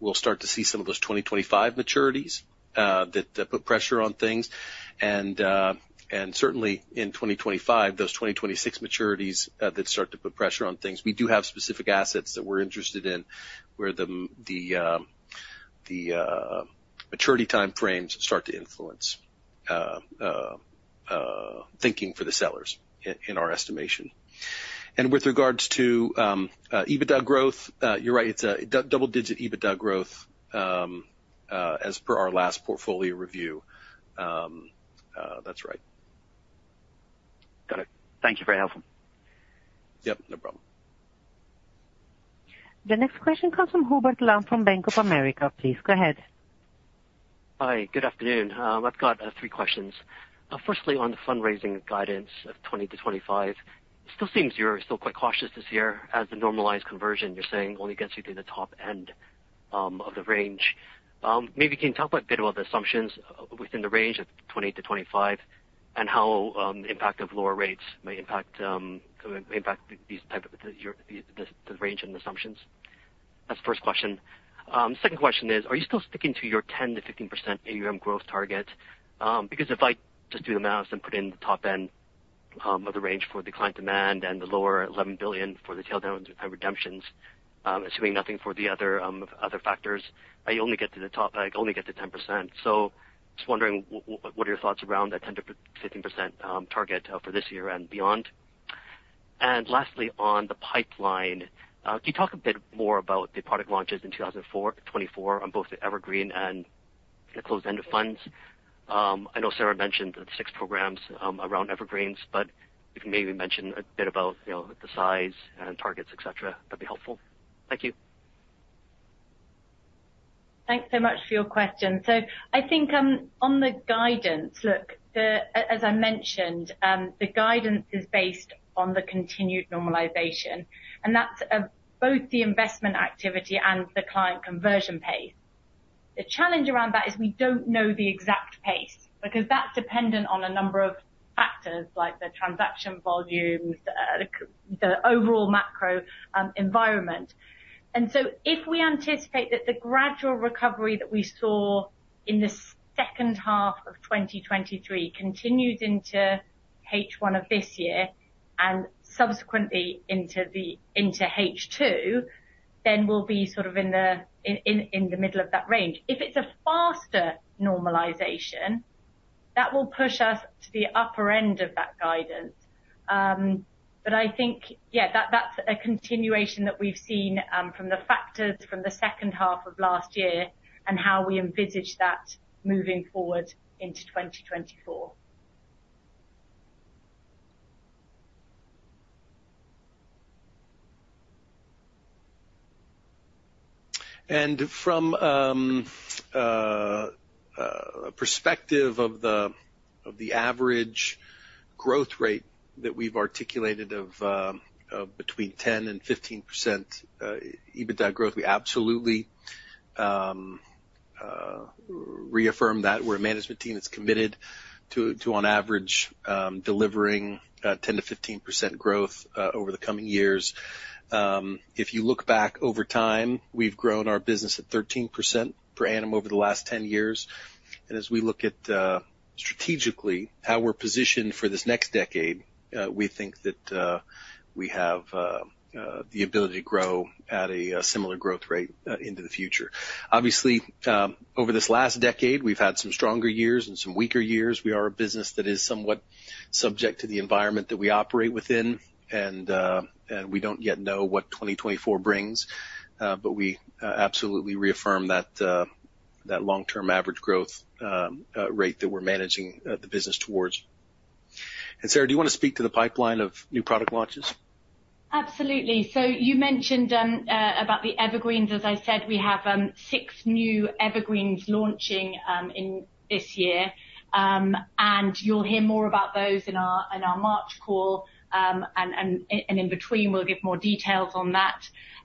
we'll start to see some of those 2025 maturities that put pressure on things. And certainly in 2025, those 2026 maturities that start to put pressure on things. We do have specific assets that we're interested in, where the maturity time frames start to influence thinking for the sellers in our estimation. With regards to EBITDA growth, you're right, it's a double-digit EBITDA growth as per our last portfolio review. That's right. Got it. Thank you. Very helpful. Yep, no problem. The next question comes from Hubert Lam, from Bank of America. Please, go ahead. Hi, good afternoon. I've got three questions. Firstly, on the fundraising guidance of $20-$25, still seems you're still quite cautious this year as the normalized conversion, you're saying, only gets you to the top end of the range. Maybe you can talk a bit about the assumptions within the range of $20-$25, and how the impact of lower rates may impact these types of the range and assumptions. That's the first question. Second question is, are you still sticking to your 10%-15% AUM growth target? Because if I just do the math and put in the top end of the range for the client demand and the lower $11 billion for the tail down redemptions, assuming nothing for the other other factors, I only get to the top- I only get to 10%. So just wondering, what are your thoughts around that 10%-15% target for this year and beyond? And lastly, on the pipeline, can you talk a bit more about the product launches in 2024 on both the Evergreens and the Closed-Ended funds? I know Sarah mentioned the six programs around Evergreens, but if you maybe mention a bit about, you know, the size and targets, et cetera, that'd be helpful. Thank you. Thanks so much for your question. So I think, on the guidance, look, the, as I mentioned, the guidance is based on the continued normalization, and that's both the investment activity and the client conversion pace. The challenge around that is we don't know the exact pace, because that's dependent on a number of factors, like the transaction volumes, the overall macro environment. And so if we anticipate that the gradual recovery that we saw in the second half of 2023 continues into H1 of this year and subsequently into H2, then we'll be sort of in the middle of that range. If it's a faster normalization, that will push us to the upper end of that guidance. I think, yeah, that's a continuation that we've seen from the factors from the second half of last year and how we envisage that moving forward into 2024. From perspective of the average growth rate that we've articulated of between 10% and 15% EBITDA growth, we absolutely reaffirm that. We're a management team that's committed to on average delivering 10%-15% growth over the coming years. If you look back over time, we've grown our business at 13% per annum over the last 10 years. As we look at strategically how we're positioned for this next decade, we think that we have the ability to grow at a similar growth rate into the future. Obviously, over this last decade, we've had some stronger years and some weaker years. We are a business that is somewhat subject to the environment that we operate within, and we don't yet know what 2024 brings, but we absolutely reaffirm that long-term average growth rate that we're managing the business towards. And, Sarah, do you want to speak to the pipeline of new product launches? Absolutely. So you mentioned about the Evergreens. As I said, we have six new Evergreens launching in this year. And you'll hear more about those in our March call. And in between, we'll give more details on that.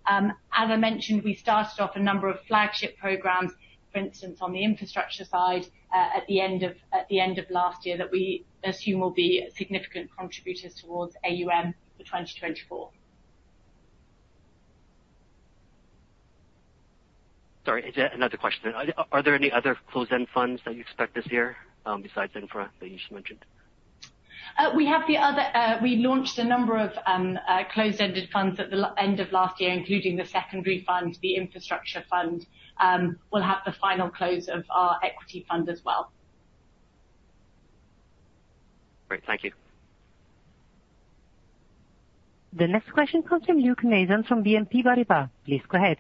As I mentioned, we started off a number of flagship programs, for instance, on the infrastructure side, at the end of last year, that we assume will be significant contributors towards AUM for 2024.... Sorry, another question. Are there any other Closed-End funds that you expect this year, besides infra, that you just mentioned? We have the other, we launched a number of Closed-Ended funds at the end of last year, including the secondary fund, the infrastructure fund. We'll have the final close of our equity fund as well. Great. Thank you. The next question comes from Luke Nathan from BNP Paribas. Please go ahead.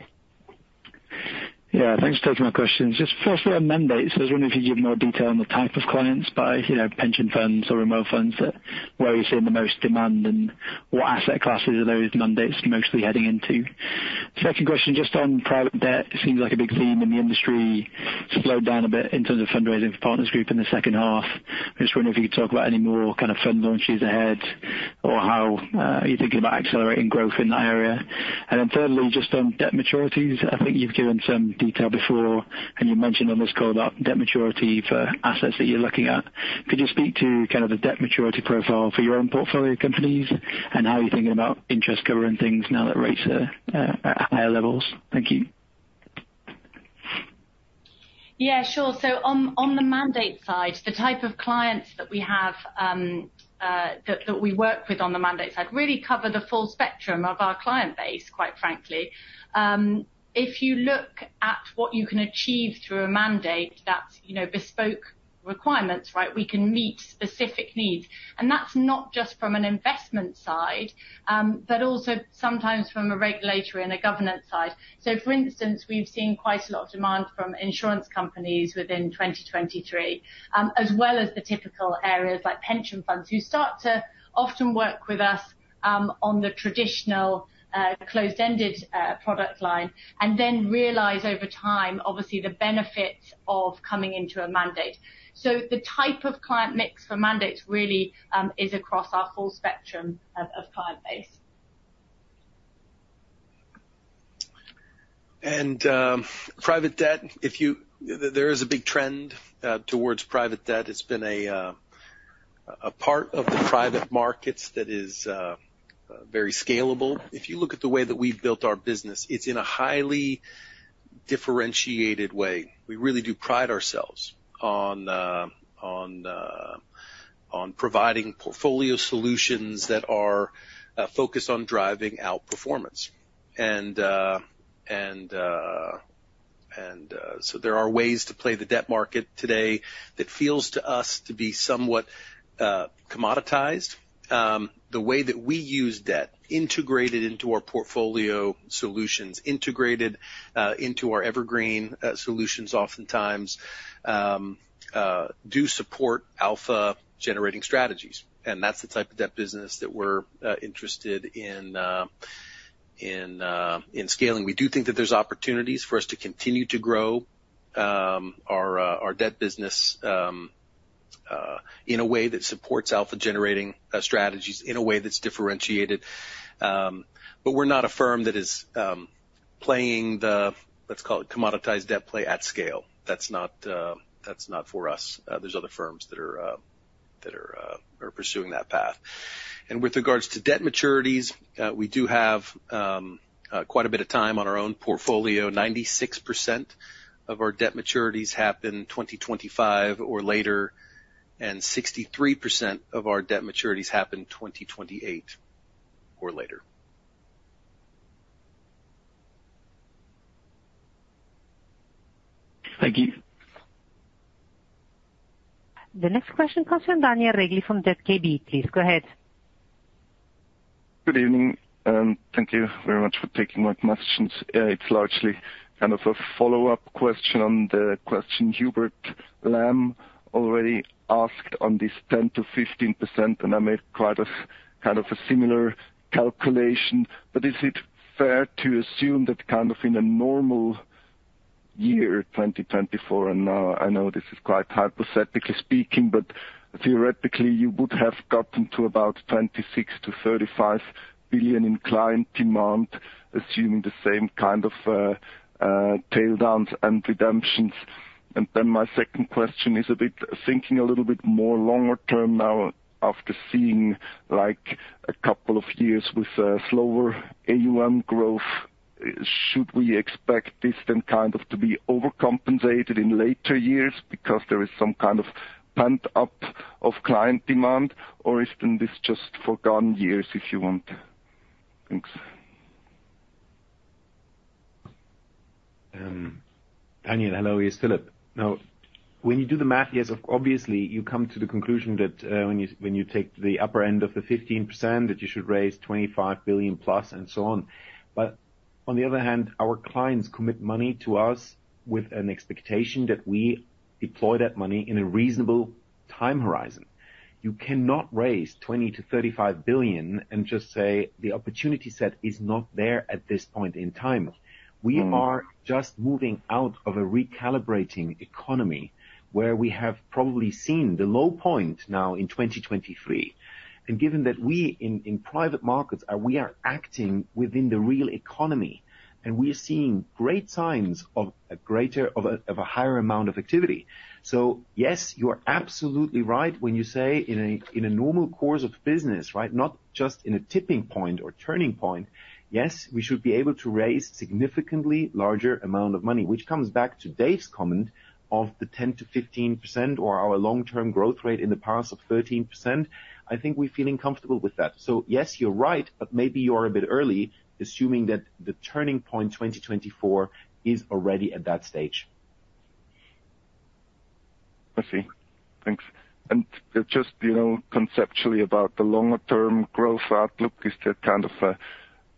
Yeah, thanks for taking my questions. Just firstly, on mandates, I was wondering if you could give more detail on the type of clients by, you know, pension funds or remote funds that, where you're seeing the most demand, and what asset classes are those mandates mostly heading into? Second question, just on private debt. It seems like a big theme in the industry slowed down a bit in terms of fundraising for Partners Group in the second half. I just wonder if you could talk about any more kind of fund launches ahead, or how, you're thinking about accelerating growth in that area. And then thirdly, just on debt maturities. I think you've given some detail before, and you mentioned on this call about debt maturity for assets that you're looking at. Could you speak to kind of the debt maturity profile for your own portfolio companies, and how you're thinking about interest covering things now that rates are at higher levels? Thank you. Yeah, sure. So on the mandate side, the type of clients that we have, that we work with on the mandate side, really cover the full spectrum of our client base, quite frankly. If you look at what you can achieve through a mandate, that's, you know, Bespoke requirements, right? We can meet specific needs. And that's not just from an investment side, but also sometimes from a regulatory and a governance side. So, for instance, we've seen quite a lot of demand from insurance companies within 2023, as well as the typical areas like pension funds, who start to often work with us, on the traditional, closed-ended, product line, and then realize over time, obviously, the benefits of coming into a mandate. The type of client mix for mandates really is across our full spectrum of client base. Private debt, there is a big trend towards private debt. It's been a part of the private markets that is very scalable. If you look at the way that we've built our business, it's in a highly differentiated way. We really do pride ourselves on providing portfolio solutions that are focused on driving out performance. So there are ways to play the debt market today that feels to us to be somewhat commoditized. The way that we use debt, integrated into our portfolio solutions, integrated into our Evergreens Solutions oftentimes do support alpha-generating strategies, and that's the type of debt business that we're interested in scaling. We do think that there's opportunities for us to continue to grow, our debt business, in a way that supports alpha-generating strategies, in a way that's differentiated. But we're not a firm that is playing the, let's call it commoditized debt play at scale. That's not, that's not for us. There's other firms that are, that are, are pursuing that path. And with regards to debt maturities, we do have quite a bit of time on our own portfolio. 96% of our debt maturities happen 2025 or later, and 63% of our debt maturities happen 2028 or later. Thank you. The next question comes from Daniel Regli from ZKB. Please go ahead. Good evening, and thank you very much for taking my questions. It's largely kind of a follow-up question on the question Hubert Lam already asked on this 10%-15%, and I made quite a, kind of a similar calculation. But is it fair to assume that kind of in a normal year, 2024, and, I know this is quite hypothetically speaking, but theoretically, you would have gotten to about $26 billion-$35 billion in client demand, assuming the same kind of, tail downs and redemptions. And then my second question is a bit... Thinking a little bit more longer term now, after seeing, like, a couple of years with slower AUM growth, should we expect this then, kind of, to be overcompensated in later years because there is some kind of pent up of client demand, or is then this just forgotten years, if you want? Thanks. Daniel, hello, it's Philip. Now, when you do the math, yes, obviously, you come to the conclusion that, when you take the upper end of the 15%, that you should raise $25 billion+, and so on. But on the other hand, our clients commit money to us with an expectation that we deploy that money in a reasonable time horizon. You cannot raise $20 billion-$35 billion and just say the opportunity set is not there at this point in time. We are just moving out of a recalibrating economy, where we have probably seen the low point now in 2023. And given that we in private markets are we are acting within the real economy, and we are seeing great signs of a greater, of a, of a higher amount of activity. So yes, you are absolutely right when you say in a normal course of business, right, not just in a tipping point or turning point. Yes, we should be able to raise significantly larger amount of money, which comes back to Dave's comment of the 10%-15% or our long-term growth rate in the past of 13%. I think we're feeling comfortable with that. So yes, you're right, but maybe you are a bit early, assuming that the turning point, 2024, is already at that stage.... I see. Thanks. And just, you know, conceptually about the longer term growth outlook, is there kind of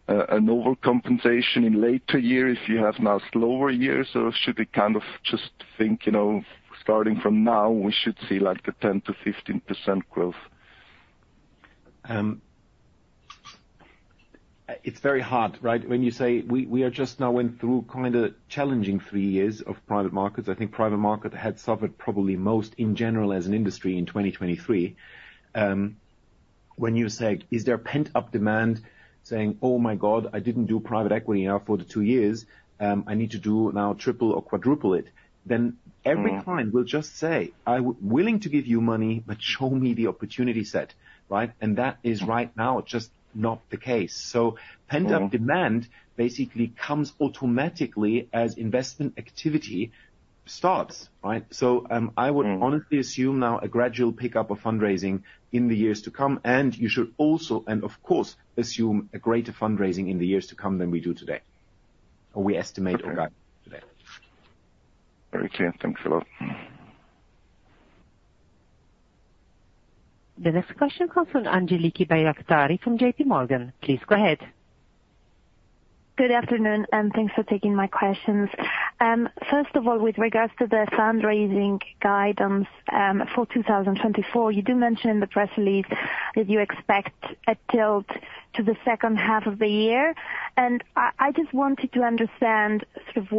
an overcompensation in later years if you have now slower years? Or should we kind of just think, you know, starting from now, we should see, like, a 10%-15% growth? It's very hard, right? When you say we, we are just now went through kind of challenging three years of private markets. I think private market had suffered probably most in general as an industry in 2023. When you say, "Is there a pent-up demand?" Saying, "Oh, my God, I didn't do private equity now for the two years, I need to do now triple or quadruple it," then- Mm-hmm. Every client will just say, "I'm willing to give you money, but show me the opportunity set." Right? And that is right now just not the case. Mm-hmm. So pent-up demand basically comes automatically as investment activity starts, right? So, I would- Mm. Honestly, assume now a gradual pickup of fundraising in the years to come, and you should also, and of course, assume a greater fundraising in the years to come than we do today, or we estimate. Okay. Today. Very clear. Thanks a lot. The next question comes from Angeliki Bairaktari from JPMorgan. Please go ahead. Good afternoon, and thanks for taking my questions. First of all, with regards to the fundraising guidance, for 2024, you do mention in the press release that you expect a tilt to the second half of the year. I just wanted to understand sort of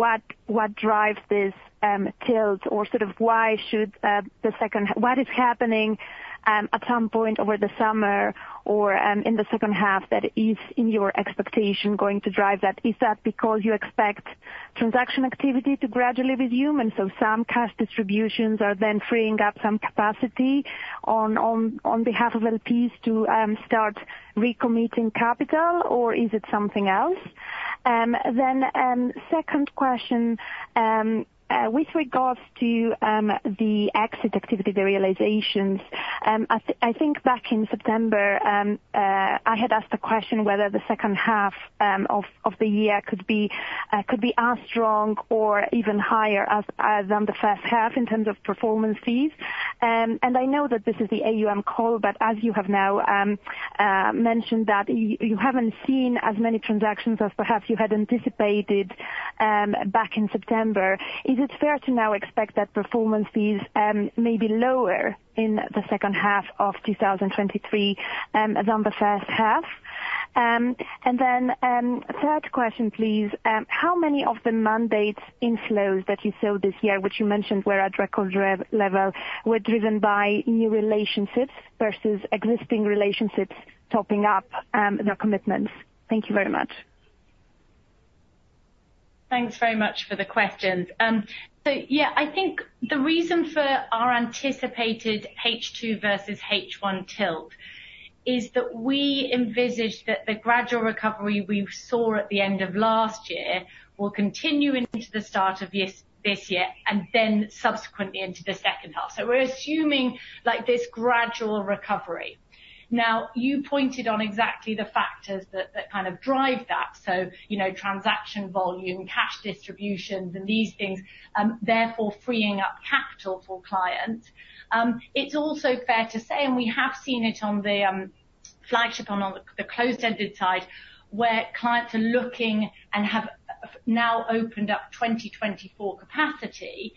what drives this tilt, or sort of why the second... What is happening at some point over the summer or in the second half that is, in your expectation, going to drive that? Is that because you expect transaction activity to gradually resume, and so some cash distributions are then freeing up some capacity on behalf of LPs to start recommitting capital, or is it something else? Then, second question, with regards to the exit activity, the realizations, I think back in September, I had asked a question whether the second half of the year could be as strong or even higher than the first half in terms of performance fees. And I know that this is the AUM call, but as you have now mentioned that you haven't seen as many transactions as perhaps you had anticipated back in September, is it fair to now expect that performance fees may be lower in the second half of 2023 than the first half? And then, third question, please. How many of the mandates inflows that you saw this year, which you mentioned were at record revenue level, were driven by new relationships versus existing relationships topping up their commitments? Thank you very much. Thanks very much for the questions. So yeah, I think the reason for our anticipated H2 versus H1 tilt is that we envisage that the gradual recovery we saw at the end of last year will continue into the start of this year, and then subsequently into the second half. So we're assuming, like, this gradual recovery. Now, you pointed on exactly the factors that kind of drive that. So, you know, transaction volume, cash distributions, and these things, therefore freeing up capital for clients. It's also fair to say, and we have seen it on the flagship and on the closed-ended side, where clients are looking and have now opened up 2024 capacity.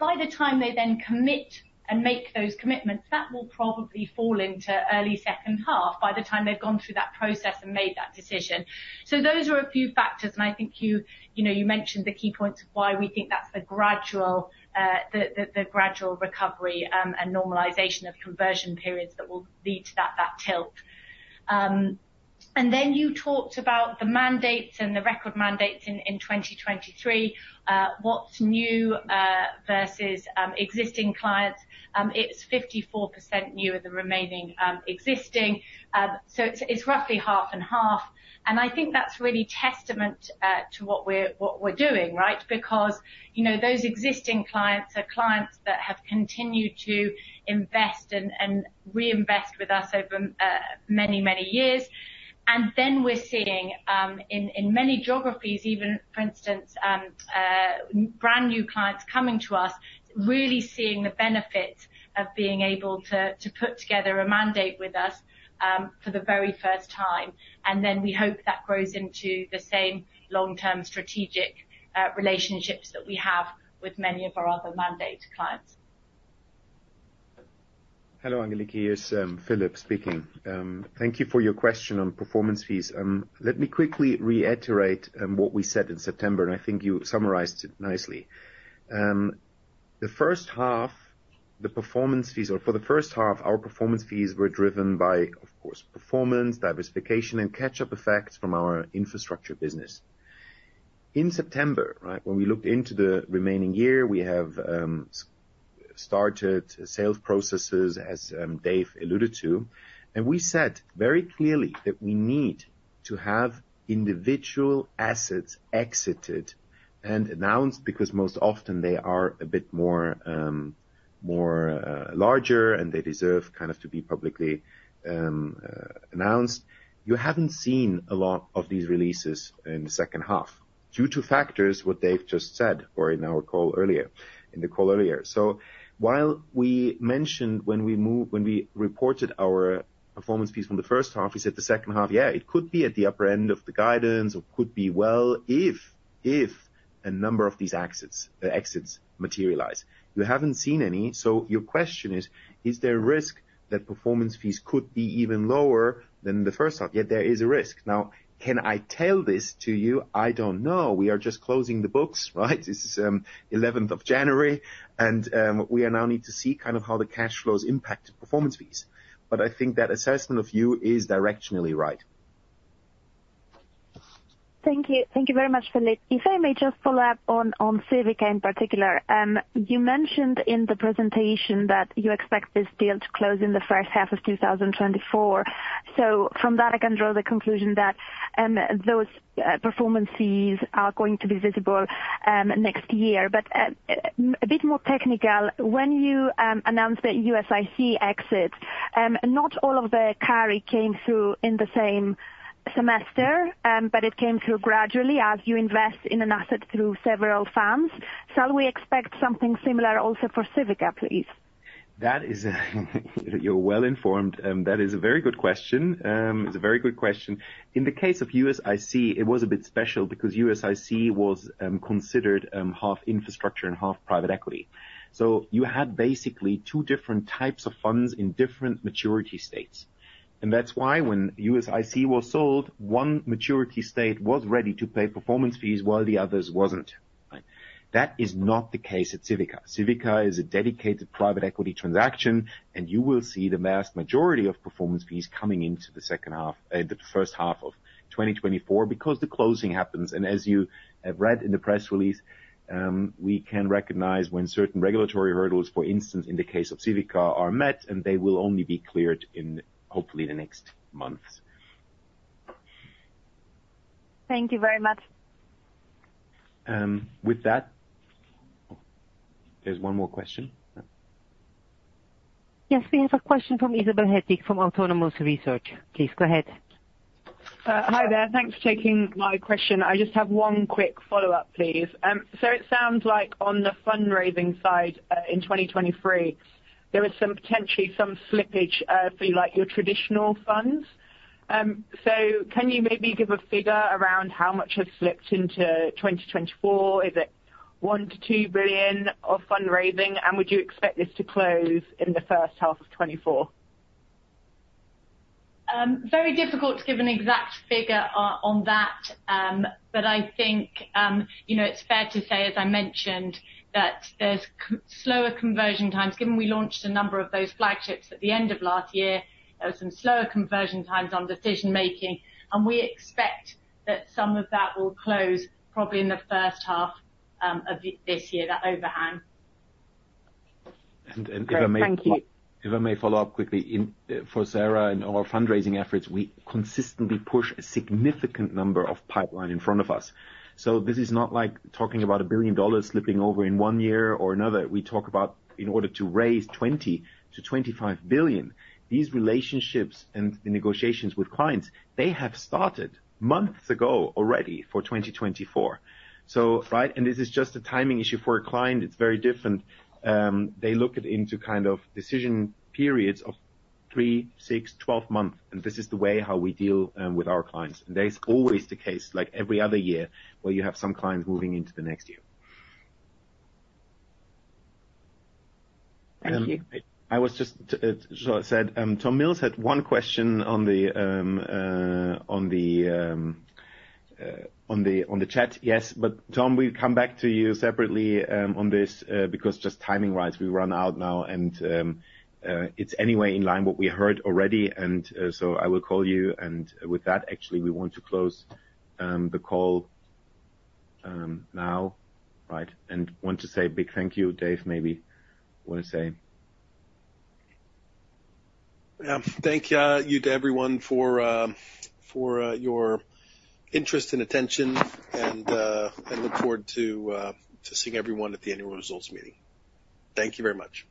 By the time they then commit and make those commitments, that will probably fall into early second half, by the time they've gone through that process and made that decision. So those are a few factors, and I think you, you know, you mentioned the key points of why we think that's the gradual, the gradual recovery, and normalization of conversion periods that will lead to that, that tilt. And then you talked about the mandates and the record mandates in 2023, what's new, versus, existing clients. It's 54% new; the remaining, existing. So it's, it's roughly half and half, and I think that's really testament, to what we're, what we're doing, right? Because, you know, those existing clients are clients that have continued to invest and reinvest with us over many, many years. And then we're seeing in many geographies, even, for instance, brand-new clients coming to us, really seeing the benefit of being able to put together a mandate with us for the very first time. And then we hope that grows into the same long-term strategic relationships that we have with many of our other mandate clients. Hello, Angeliki. It's Philip speaking. Thank you for your question on performance fees. Let me quickly reiterate what we said in September, and I think you summarized it nicely. The first half, the performance fees, or for the first half, our performance fees were driven by, of course, performance, diversification, and catch-up effects from our infrastructure business. In September, right, when we looked into the remaining year, we have started sales processes, as Dave alluded to, and we said very clearly that we need to have individual assets exited and announced, because most often they are a bit more larger, and they deserve kind of to be publicly announced. You haven't seen a lot of these releases in the second half due to factors what Dave just said, or in our call earlier. So while we mentioned when we reported our performance fees from the first half, we said the second half, yeah, it could be at the upper end of the guidance or could be, well, if a number of these exits materialize. You haven't seen any, so your question is: Is there a risk that performance fees could be even lower than the first half? Yeah, there is a risk. Now, can I tell you this? I don't know. We are just closing the books, right? This is eleventh of January, and we now need to see kind of how the cash flows impact performance fees. But I think your assessment is directionally right. Thank you. Thank you very much, Philip. If I may just follow up on, on Civica in particular. You mentioned in the presentation that you expect this deal to close in the first half of 2024. So from that, I can draw the conclusion that, those, performance fees are going to be visible, next year. But, a bit more technical, when you, announced the USIC exit, not all of the carry came through in the same semester, but it came through gradually as you invest in an asset through several funds. Shall we expect something similar also for Civica, please? That is, you're well-informed, that is a very good question. It's a very good question. In the case of USIC, it was a bit special because USIC was considered half infrastructure and half private equity. So you had basically two different types of funds in different maturity states. And that's why when USIC was sold, one maturity state was ready to pay performance fees while the others wasn't. That is not the case at Civica. Civica is a dedicated private equity transaction, and you will see the vast majority of performance fees coming into the second half, the first half of 2024 because the closing happens. And as you have read in the press release, we can recognize when certain regulatory hurdles, for instance, in the case of Civica, are met, and they will only be cleared in, hopefully, the next months. Thank you very much. With that... There's one more question? Yes, we have a question from Isabelle Hedges, from Autonomous Research. Please, go ahead. Hi there. Thanks for taking my question. I just have one quick follow-up, please. So it sounds like on the fundraising side, in 2023, there was some, potentially some slippage, for, like, your traditional funds. So can you maybe give a figure around how much has slipped into 2024? Is it $1 billion-$2 billion of fundraising, and would you expect this to close in the first half of 2024? Very difficult to give an exact figure on that. But I think, you know, it's fair to say, as I mentioned, that there's slower conversion times. Given we launched a number of those flagships at the end of last year, there was some slower conversion times on decision making, and we expect that some of that will close probably in the first half of this year, that overhang. If I may— Thank you. If I may follow up quickly. In for Sarah and our fundraising efforts, we consistently push a significant number of pipeline in front of us. So this is not like talking about $1 billion slipping over in one year or another. We talk about in order to raise $20 billion-$25 billion, these relationships and the negotiations with clients, they have started months ago already for 2024. So, right, and this is just a timing issue. For a client, it's very different. They look it into kind of decision periods of three, six, 12 months, and this is the way how we deal with our clients. And that is always the case, like every other year, where you have some clients moving into the next year. Thank you. I was just, so I said, Tom Mills had one question on the, on the chat. Yes, but Tom, we'll come back to you separately, on this, because just timing-wise, we run out now, and, it's anyway in line what we heard already, and, so I will call you. And with that, actually, we want to close, the call, now. Right? And want to say a big thank you, Dave, maybe want to say. Yeah. Thank you to everyone for your interest and attention, and I look forward to seeing everyone at the annual results meeting. Thank you very much.